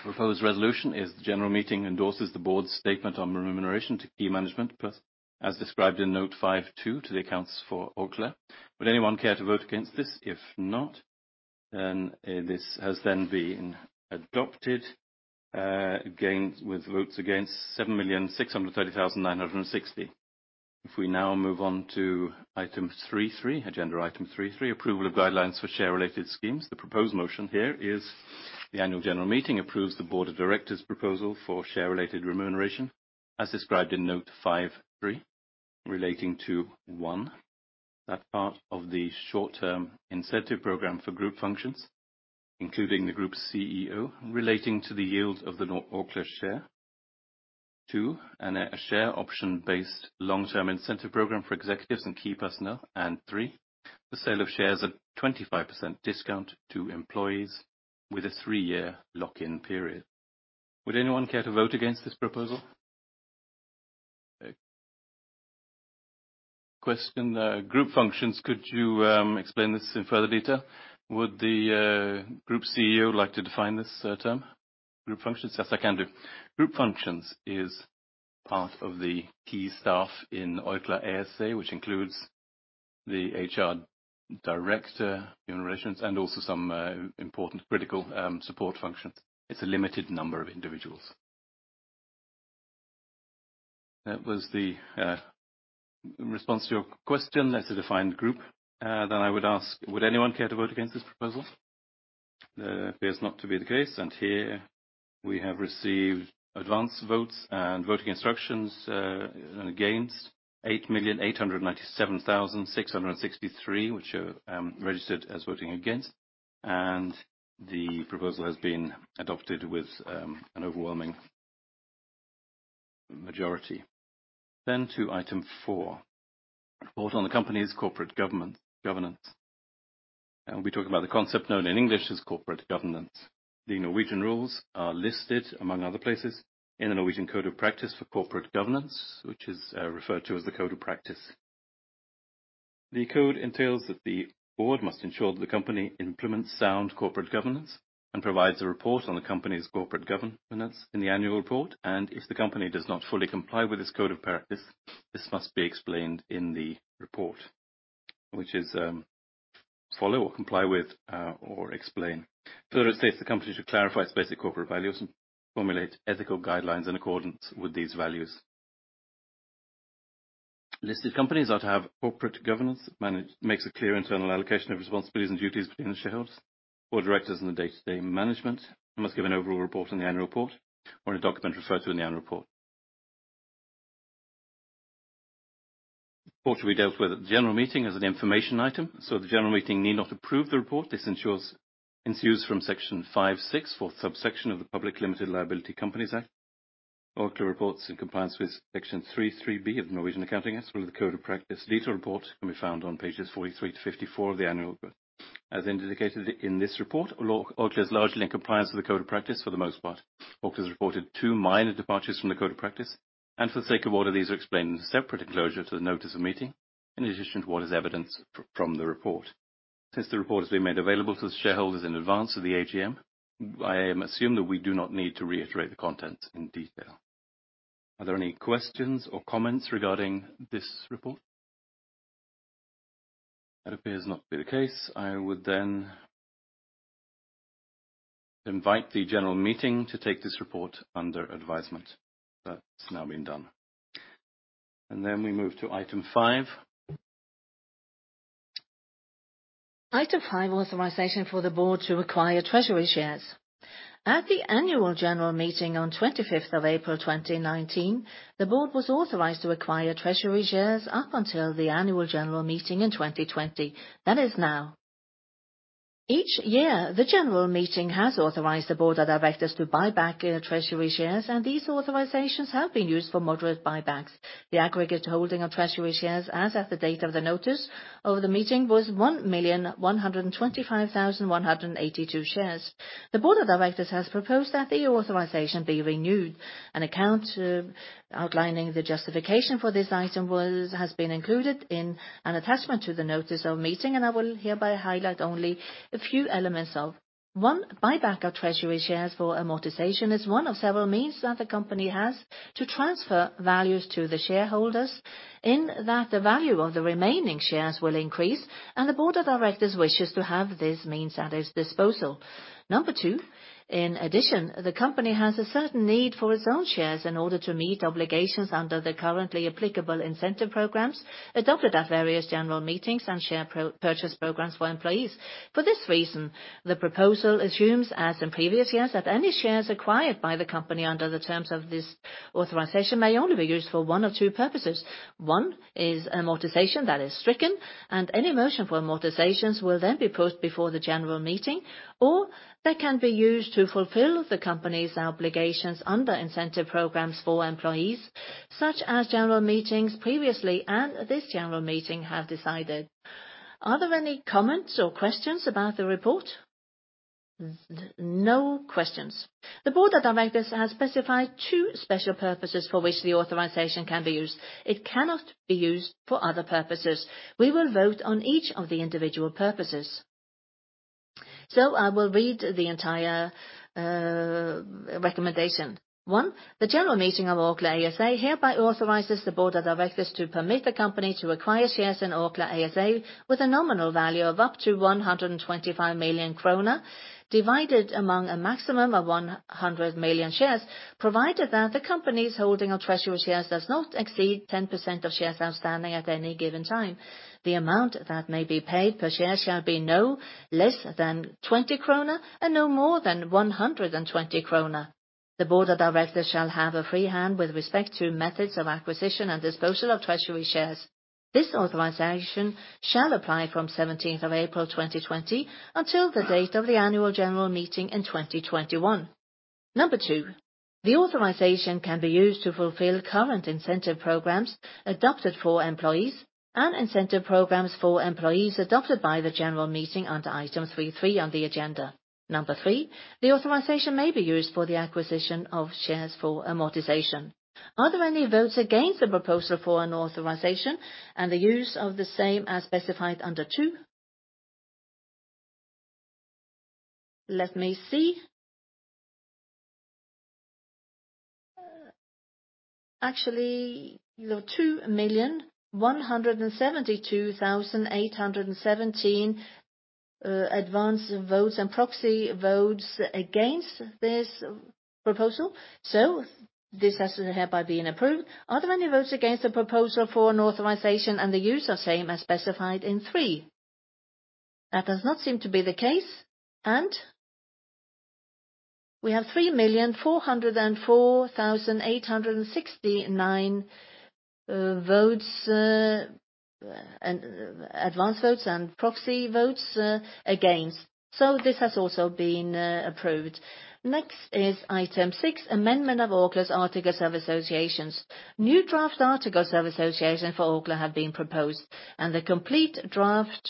Proposed resolution is the general meeting endorses the board's statement on remuneration to key management, plus, as described in Note 5.2 to the accounts for Orkla. Would anyone care to vote against this? If not, then, this has then been adopted, against, with votes against 7,630,960. If we now move on to item three three, agenda item three three, approval of guidelines for share-related schemes. The proposed motion here is the Annual General Meeting approves the Board of Directors' proposal for share-related remuneration, as described in Note 5.3, relating to, one, that part of the short-term incentive program for group functions, including the group's CEO, relating to the yield of the Orkla share. Two, and a share option-based long-term incentive program for executives and key personnel. And three, the sale of shares at 25% discount to employees with a three-year lock-in period. Would anyone care to vote against this proposal? Question, group functions, could you explain this in further detail? Would the group CEO like to define this term, group functions? Yes, I can do. Group functions is part of the key staff in Orkla ASA, which includes the HR director, human relations, and also some important critical support functions. It's a limited number of individuals. That was the response to your question. That's a defined group. Then I would ask, would anyone care to vote against this proposal? Appears not to be the case, and here we have received advanced votes and voting instructions against 8,897,663 which are registered as voting against, and the proposal has been adopted with an overwhelming majority. Then to item four, report on the company's corporate governance, and we talk about the concept known in English as corporate governance. The Norwegian rules are listed, among other places, in the Norwegian Code of Practice for Corporate Governance, which is referred to as the Code of Practice. The code entails that the board must ensure that the company implements sound corporate governance, and provides a report on the company's corporate governance in the annual report. If the company does not fully comply with this code of practice, this must be explained in the report, which is comply or explain. Further, it states the company should clarify its basic corporate values and formulate ethical guidelines in accordance with these values. Listed companies that have corporate governance must make a clear internal allocation of responsibilities and duties between the shareholders or directors in the day-to-day management, must give an overall report in the annual report or in a document referred to in the annual report. The report will be dealt with at the general meeting as an information item, so the general meeting need not approve the report. This ensues from Section five, six, fourth subsection of the Public Limited Liability Companies Act. Orkla reports in compliance with Section 3-3b of the Norwegian Accounting Act, as well as the Code of Practice. Detailed report can be found on pages 43-54 of the annual report. As indicated in this report, Orkla is largely in compliance with the Code of Practice for the most part. Orkla has reported two minor departures from the Code of Practice, and for the sake of order, these are explained in a separate enclosure to the notice of meeting, in addition to what is evidenced from the report. Since the report has been made available to the shareholders in advance of the AGM, I assume that we do not need to reiterate the contents in detail. Are there any questions or comments regarding this report? That appears not to be the case. I would then invite the general meeting to take this report under advisement. That's now been done, and then we move to item five. Item five, authorization for the board to acquire treasury shares. At the annual general meeting on the 25/04/2019, the board was authorized to acquire treasury shares up until the annual general meeting in 2020. That is now. Each year, the general meeting has authorized the board of directors to buy back treasury shares, and these authorizations have been used for moderate buybacks. The aggregate holding of treasury shares, as of the date of the notice of the meeting, was 1,125,182 shares. The board of directors has proposed that the authorization be renewed. An account outlining the justification for this item has been included in an attachment to the notice of meeting, and I will hereby highlight only a few elements of. One, buyback of Treasury shares for amortization is one of several means that the company has to transfer values to the shareholders, in that the value of the remaining shares will increase, and the Board of Directors wishes to have this means at its disposal. Number two, in addition, the company has a certain need for its own shares in order to meet obligations under the currently applicable incentive programs, adopted at various general meetings and share purchase programs for employees. For this reason, the proposal assumes, as in previous years, that any shares acquired by the company under the terms of this authorization may only be used for one of two purposes. One is amortization that is stricken, and any motion for amortizations will then be put before the general meeting, or they can be used to fulfill the company's obligations under incentive programs for employees, such as general meetings previously, and this general meeting have decided. Are there any comments or questions about the report? No questions. The Board of Directors has specified two special purposes for which the authorization can be used. It cannot be used for other purposes. We will vote on each of the individual purposes. So I will read the entire recommendation. One, the general meeting of Orkla ASA hereby authorizes the board of directors to permit the company to acquire shares in Orkla ASA with a nominal value of up to 125 million krone, divided among a maximum of 100 million shares, provided that the company's holding of treasury shares does not exceed 10% of shares outstanding at any given time. The amount that may be paid per share shall be no less than 20 kroner and no more than 120 kroner. The board of directors shall have a free hand with respect to methods of acquisition and disposal of treasury shares. This authorization shall apply from 17/04/2020, until the date of the annual general meeting in 2021. Number two, the authorization can be used to fulfill current incentive programs adopted for employees and incentive programs for employees adopted by the general meeting under item three three on the agenda. Number three, the authorization may be used for the acquisition of shares for amortization. Are there any votes against the proposal for an authorization and the use of the same as specified under two? Let me see. Actually, there are 2,172,817 advance votes and proxy votes against this proposal, so this has to hereby being approved. Are there any votes against the proposal for an authorization and the use of same as specified in three? That does not seem to be the case, and we have 3,404,869 votes, and advance votes and proxy votes, against. So this has also been approved. Next is item six, amendment of Orkla's Articles of Association. New draft Articles of Association for Orkla have been proposed, and the complete draft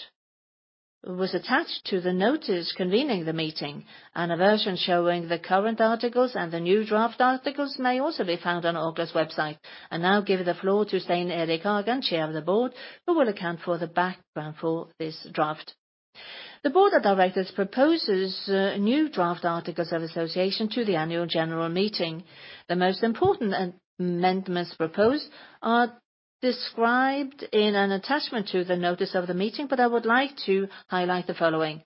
was attached to the notice convening the meeting, and a version showing the current articles and the new draft articles may also be found on Orkla's website. I now give the floor to Stein Erik Hagen, Chair of the Board, who will account for the background for this draft. The board of directors proposes new draft Articles of Association to the annual general meeting. The most important amendments proposed are described in an attachment to the notice of the meeting, but I would like to highlight the following.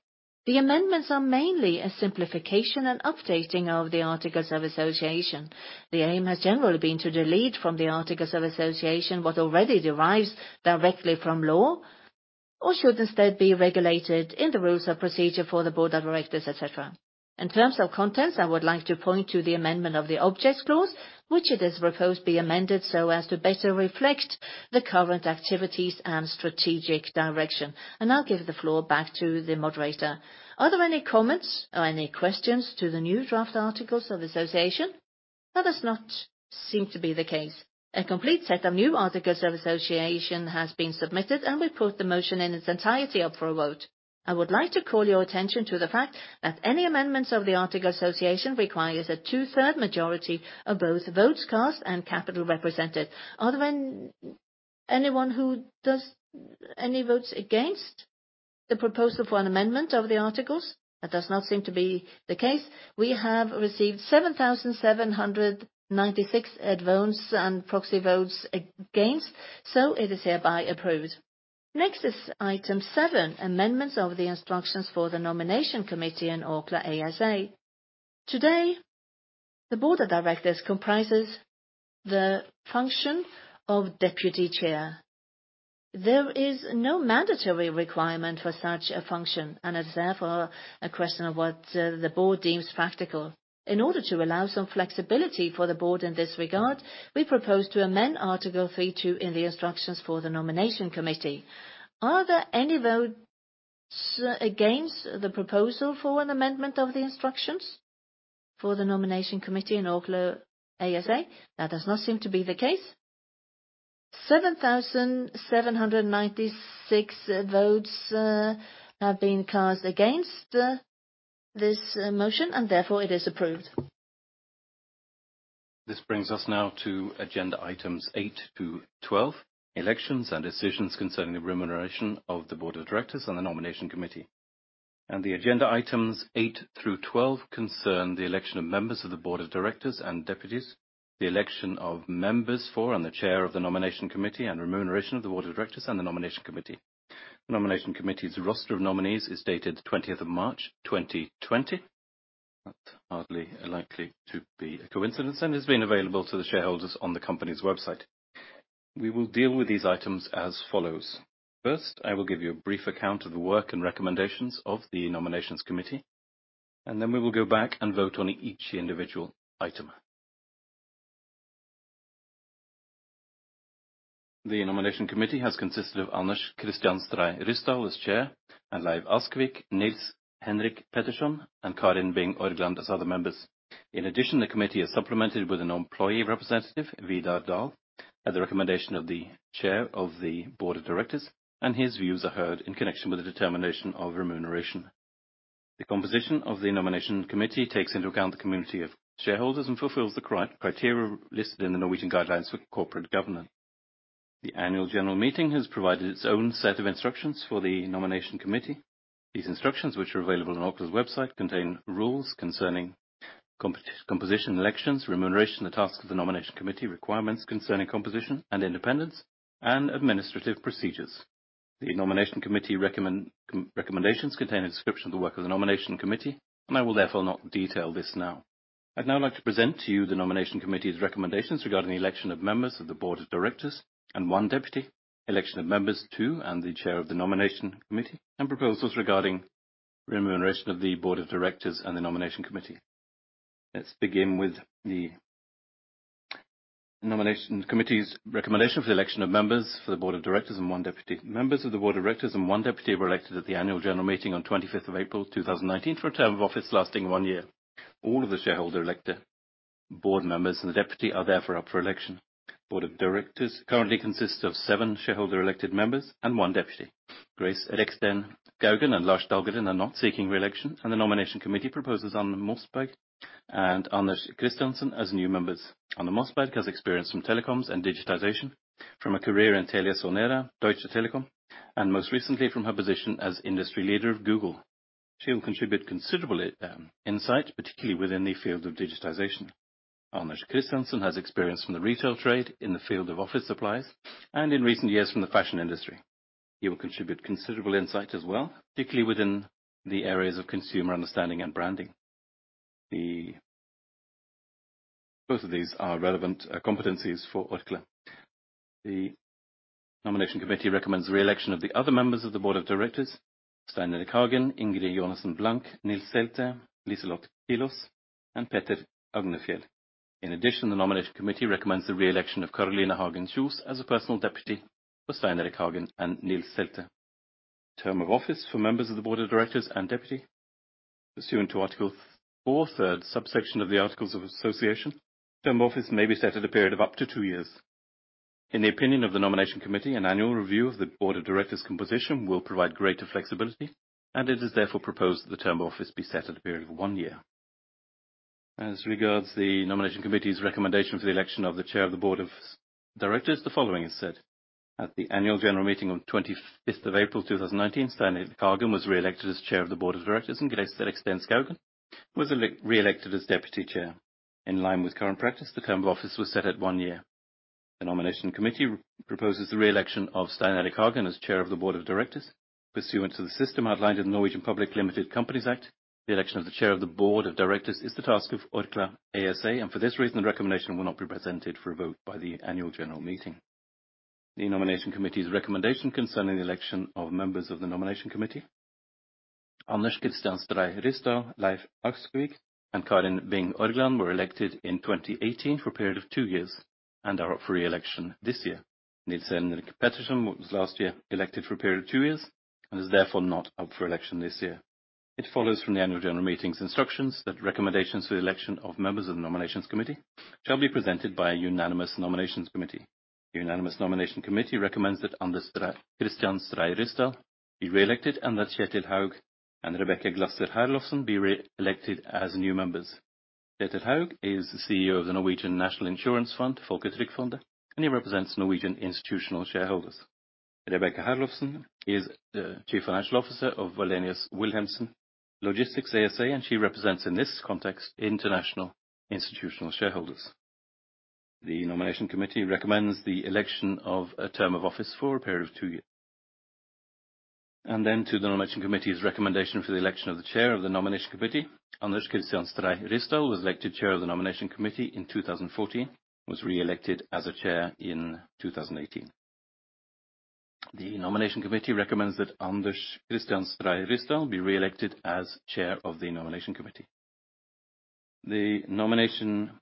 The amendments are mainly a simplification and updating of the Articles of Association. The aim has generally been to delete from the Articles of Association what already derives directly from law or should instead be regulated in the rules of procedure for the Board of Directors, et cetera. In terms of contents, I would like to point to the amendment of the objects clause, which it is proposed be amended so as to better reflect the current activities and strategic direction, and I'll give the floor back to the moderator. Are there any comments or any questions to the new draft Articles of Association? That does not seem to be the case. A complete set of new Articles of Association has been submitted, and we put the motion in its entirety up for a vote. I would like to call your attention to the fact that any amendments of the Articles of Association requires a two-thirds majority of both votes cast and capital represented. Are there anyone who does? Any votes against the proposal for an amendment of the articles? That does not seem to be the case. We have received 7,796 advance and proxy votes against, so it is hereby approved. Next is item seven, amendments of the instructions for the Nomination Committee in Orkla ASA. Today, the board of directors comprises the function of deputy chair. There is no mandatory requirement for such a function, and it's therefore a question of what the board deems practical. In order to allow some flexibility for the board in this regard, we propose to amend Article three two in the instructions for the Nomination Committee. Are there any votes against the proposal for an amendment of the instructions for the Nomination Committee in Orkla ASA? That does not seem to be the case. 7,796 votes have been cast against this motion, and therefore it is approved. This brings us now to agenda items eight to 12, elections and decisions concerning the remuneration of the Board of Directors and the Nomination Committee. The agenda items eight through 12 concern the election of members of the Board of Directors and deputies, the election of members for and the chair of the Nomination Committee, and remuneration of the Board of Directors and the Nomination Committee. The Nomination Committee's roster of nominees is dated 20/03/ 2020. That's hardly likely to be a coincidence, and it's been available to the shareholders on the company's website. We will deal with these items as follows. First, I will give you a brief account of the work and recommendations of the Nomination Committee, and then we will go back and vote on each individual item. The Nomination Committee has consisted of Anders Christian Stray Ryssdal as Chair, and Leif Askvik, Nils-Henrik Pettersson, and Karin Bing Orgland as other members. In addition, the committee is supplemented with an employee representative, Vidar Dahl, at the recommendation of the Chair of the Board of Directors, and his views are heard in connection with the determination of remuneration. The composition of the Nomination Committee takes into account the community of shareholders and fulfills the criteria listed in the Norwegian Guidelines for Corporate Governance. The Annual General Meeting has provided its own set of instructions for the Nomination Committee. These instructions, which are available on Orkla's website, contain rules concerning composition elections, remuneration, the task of the Nomination Committee, requirements concerning composition and independence, and administrative procedures. The Nomination Committee's recommendations contain a description of the work of the Nomination Committee, and I will therefore not detail this now. I'd now like to present to you the Nomination Committee's recommendations regarding the election of members of the Board of Directors and one deputy, election of members too, and the chair of the Nomination Committee, and proposals regarding remuneration of the Board of Directors and the Nomination Committee. Let's begin with the Nomination Committee's recommendation for the election of members for the Board of Directors and one deputy. Members of the Board of Directors and one deputy were elected at the Annual General Meeting on 25/04/2019, for a term of office lasting one year. All of the shareholder-elected Board members and the deputy are therefore up for election. Board of Directors currently consists of seven shareholder-elected members and one deputy. Grace Reksten Skaugen and Lars Dahlgren are not seeking re-election, and the nomination committee proposes Anna Mossberg and Anders Kristiansen as new members. Anna Mossberg has experience from telecoms and digitization, from a career in TeliaSonera, Deutsche Telekom, and most recently, from her position as industry leader of Google. She will contribute considerable insight, particularly within the field of digitization. Anders Kristiansen has experience from the retail trade in the field of office supplies, and in recent years, from the fashion industry. He will contribute considerable insight as well, particularly within the areas of consumer understanding and branding. Both of these are relevant competencies for Orkla. The nomination committee recommends re-election of the other members of the Board of Directors, Stein Erik Hagen, Ingrid Jonasson Blank, Nils Selte, Liselott Kilaas, and Peter Agnefjäll. In addition, the Nomination Committee recommends the re-election of Caroline Hagen Kjos as a personal deputy for Stein Erik Hagen and Nils Selte. Term of office for members of the Board of Directors and deputy, pursuant to Article four-third subsection of the Articles of Association, term of office may be set at a period of up to two years. In the opinion of the Nomination Committee, an annual review of the Board of Directors composition will provide greater flexibility, and it is therefore proposed that the term of office be set at a period of one year. As regards the Nomination Committee's recommendation for the election of the chair of the board of directors, the following is said: At the annual general meeting on 25/04/2019, Stein Erik Hagen was re-elected as chair of the board of directors, and Grace Reksten Skaugen was re-elected as deputy chair. In line with current practice, the term of office was set at one year. The nomination committee proposes the re-election of Stein Erik Hagen as chair of the board of directors. Pursuant to the system outlined in the Norwegian Public Limited Companies Act, the election of the chair of the board of directors is the task of Orkla ASA, and for this reason, the recommendation will not be presented for a vote by the annual general meeting. The Nomination Committee's recommendation concerning the election of members of the nomination committee. Anders Christian Stray Ryssdal, Leif Askvik, and Karin Bing Orgland were elected in 2018 for a period of two years and are up for re-election this year. Nils-Henrik Pettersson was last year elected for a period of two years and is therefore not up for election this year. It follows from the annual general meeting's instructions that recommendations for the election of members of the Nomination Committee shall be presented by a unanimous Nomination Committee. The unanimous Nomination Committee recommends that Anders Christian Stray Ryssdal be re-elected, and that Kjetil Houg and Rebekka Glasser Herlofsen be elected as new members. Kjetil Houg is the CEO of the Norwegian National Insurance Fund, Folketrygdfondet, and he represents Norwegian institutional shareholders. Rebekka Glasser Herlofsen is the Chief Financial Officer of Wallenius Wilhelmsen ASA, and she represents, in this context, international institutional shareholders. The Nomination Committee recommends the election of a term of office for a period of two years. Then to the Nomination Committee's recommendation for the election of the chair of the Nomination Anders Christian Stray Ryssdal was elected chair of the Nomination Committee in 2014, was re-elected as chair in 2018. The Nomination Committee recommends Anders Christian Stray Ryssdal be re-elected as chair of the Nomination Committee. The Nomination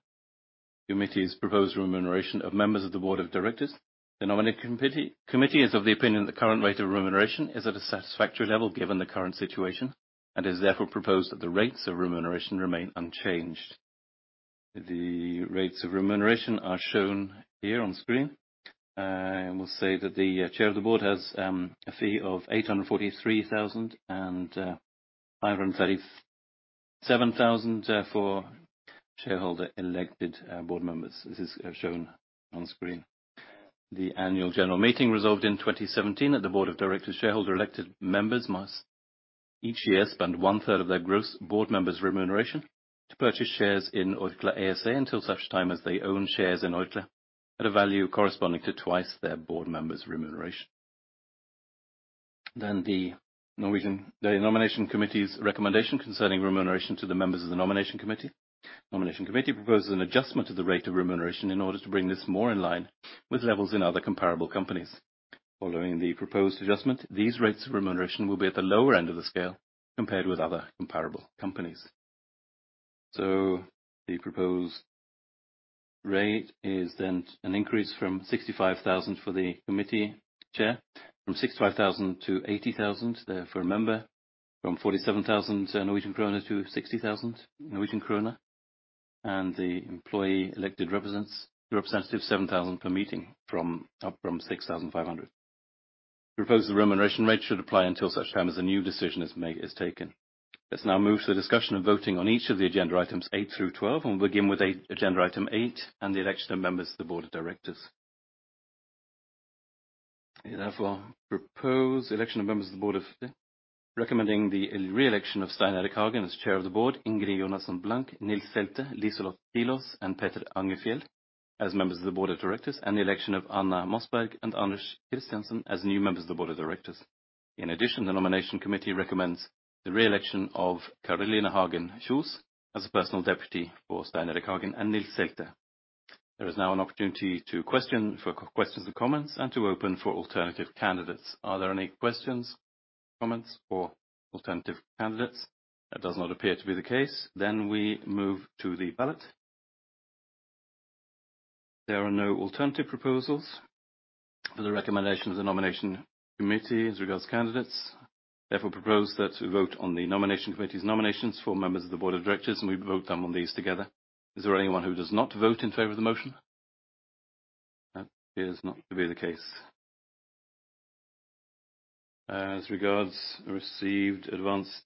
Committee's proposed remuneration of members of the Board of Directors. The Nomination Committee is of the opinion that the current rate of remuneration is at a satisfactory level, given the current situation, and has therefore proposed that the rates of remuneration remain unchanged. The rates of remuneration are shown here on screen. I will say that the chair of the Board has a fee of 843,000 and 537,000 for shareholder-elected Board members. This is shown on screen. The Annual General Meeting resolved in 2017 at the Board of Directors shareholder-elected members must each year spend one-third of their gross Board members' remuneration to purchase shares in Orkla ASA, until such time as they own shares in Orkla at a value corresponding to twice their Board members' remuneration. Then the Norwegian Nomination Committee's recommendation concerning remuneration to the members of the nomination committee. The Nomination Committee proposes an adjustment to the rate of remuneration in order to bring this more in line with levels in other comparable companies. Following the proposed adjustment, these rates of remuneration will be at the lower end of the scale compared with other comparable companies. So the proposed rate is then an increase from 65,000 for the committee chair, from 65,000 to 80,000, for a member, from 47,000 Norwegian krone to 60,000 Norwegian krone, and the employee elected representative 7,000 per meeting from, up from 6,500. The proposed remuneration rate should apply until such time as a new decision is made, is taken. Let's now move to the discussion and voting on each of the agenda items 8 through 12, and we'll begin with agenda item 8 and the election of members of the Board of Directors. I therefore propose the election of members of the board, recommending the re-election of Stein Erik Hagen as Chair of the Board, Ingrid Jonasson Blank, Nils Selte, Liselott Kilaas, and Peter Agnefjäll as members of the Board of Directors, and the election of Anna Mossberg and Anders Kristiansen as new members of the Board of Directors. In addition, the Nomination Committee recommends the re-election of Caroline Hagen Kjos as a personal deputy for Stein Erik Hagen and Nils Selte. There is now an opportunity for questions and comments, and to open for alternative candidates. Are there any questions, comments, or alternative candidates? That does not appear to be the case. Then we move to the ballot. There are no alternative proposals for the recommendation of the nomination committee as regards candidates, therefore propose that we vote on the Nomination Committee's nominations for members of the Board of Directors, and we vote them on these together. Is there anyone who does not vote in favor of the motion? That appears not to be the case. As regards the received advanced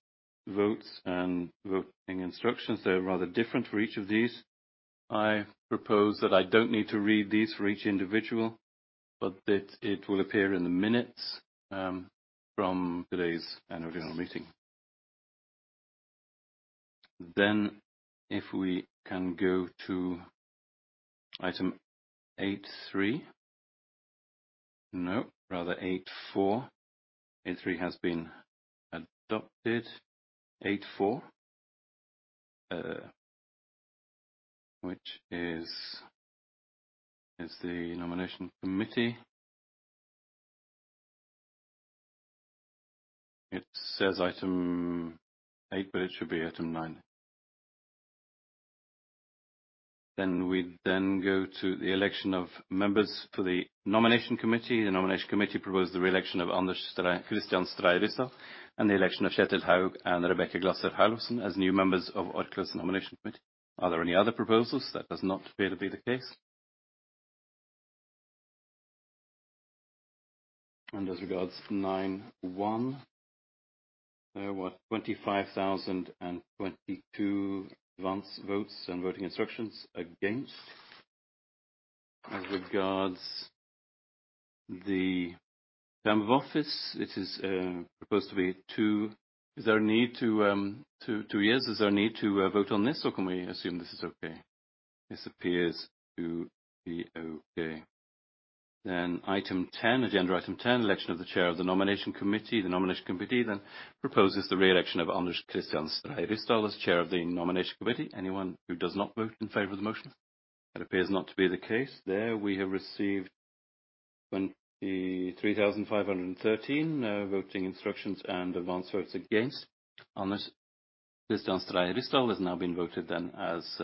votes and voting instructions, they are rather different for each of these. I propose that I don't need to read these for each individual, but that it will appear in the minutes, from today's Annual General Meeting. Then, if we can go to item eight-three. No, rather eight-four. Eight-three has been adopted. Eight-four, which is the nomination committee. It says item eight, but it should be item nine. We go to the election of members for the nomination committee. The nomination committee proposes the re-election of Anders Christian Stray Ryssdal, and the election of Kjetil Houg and Rebekka Glasser Herlofsen as new members of Orkla's nomination committee. Are there any other proposals? That does not appear to be the case. And as regards 91,025,022 advance votes and voting instructions against. As regards the term of office, it is proposed to be two years. Is there a need to vote on this, or can we assume this is okay? This appears to be okay. Then agenda item ten, election of the chair of the nomination committee. The nomination committee then proposes the re-election Anders Christian Stray Ryssdal as chair of the nomination committee. Anyone who does not vote in favor of the motion? That appears not to be the case. There, we have received 23, 513 instructions and advance votes Anders Christian Stray Ryssdal has now been voted then as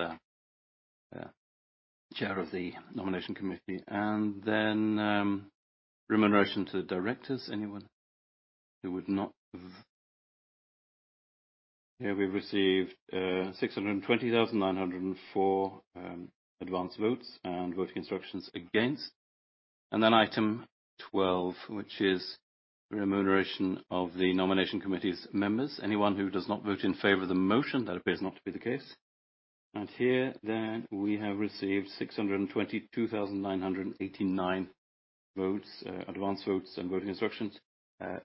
Chair of the Nomination Committee. And then, remuneration to the directors. Anyone who would not? Here we've received 620, 904 advance votes and voting instructions against. And then item twelve, which is remuneration of the Nomination Committee's members. Anyone who does not vote in favor of the motion? That appears not to be the case. And here, then, we have received 622, 989 advance votes and voting instructions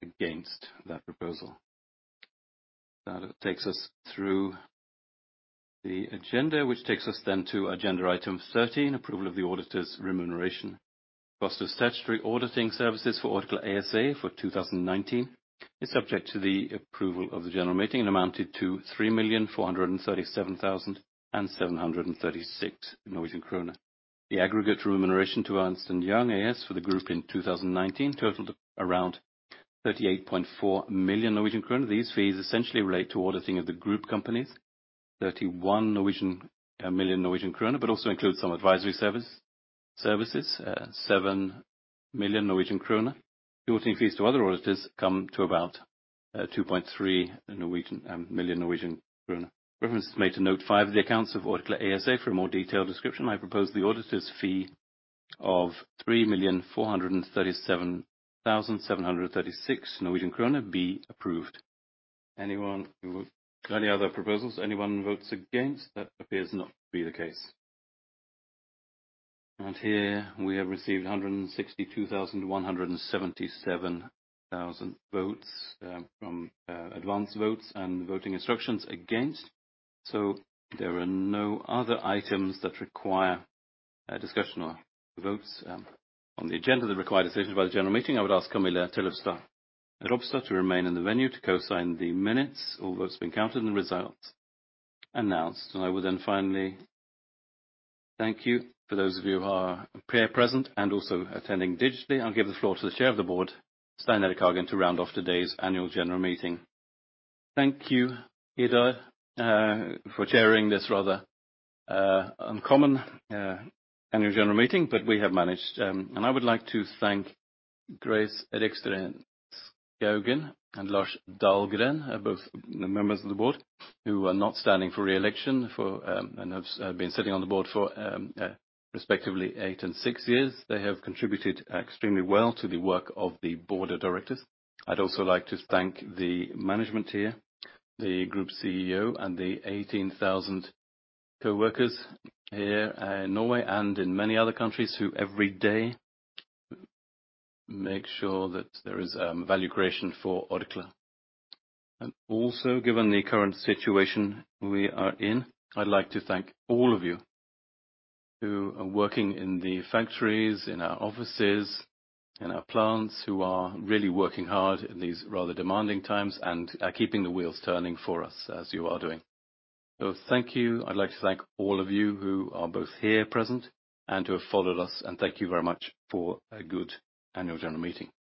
against that proposal. That takes us through the agenda, which takes us then to agenda item 13, approval of the auditors' remuneration. Cost of statutory auditing services for Orkla ASA for 2019 is subject to the approval of the general meeting, and amounted to NOK 3,437,736. The aggregate remuneration to Ernst & Young AS for the group in 2019 totaled around 38.4 million Norwegian kroner. These fees essentially relate to auditing of the group companies, 31 million Norwegian kroner, but also includes some advisory service, services, 7 million Norwegian kroner. Auditing fees to other auditors come to about, 2.3 million Norwegian kroner. Reference is made to note five of the accounts of Orkla ASA. For a more detailed description, I propose the auditor's fee of 3,437,736 Norwegian krone be approved. Any other proposals? Anyone votes against? That appears not to be the case. Here we have received 162,177 votes from advance votes and voting instructions against. So there are no other items that require discussion or votes on the agenda that require a decision by the general meeting. I would ask Camilla Teljesdal Robstad to remain in the venue to co-sign the minutes, all votes been counted and the results announced. I will then finally thank you for those of you who are here present and also attending digitally. I'll give the floor to the Chair of the Board, Stein Erik Hagen, to round off today's annual general meeting. Thank you, Ida, for chairing this rather uncommon annual general meeting, but we have managed. And I would like to thank Grace Reksten Skaugen and Lars Dahlgren, both members of the board, who are not standing for re-election, for and have been sitting on the board for respectively eight and six years. They have contributed extremely well to the work of the board of directors. I'd also like to thank the management here, the group CEO and the 18,000 coworkers here in Norway and in many other countries, who every day make sure that there is value creation for Orkla. And also, given the current situation we are in, I'd like to thank all of you who are working in the factories, in our offices, in our plants, who are really working hard in these rather demanding times and are keeping the wheels turning for us as you are doing. So thank you. I'd like to thank all of you who are both here present and who have followed us, and thank you very much for a good annual general meeting. Thank you.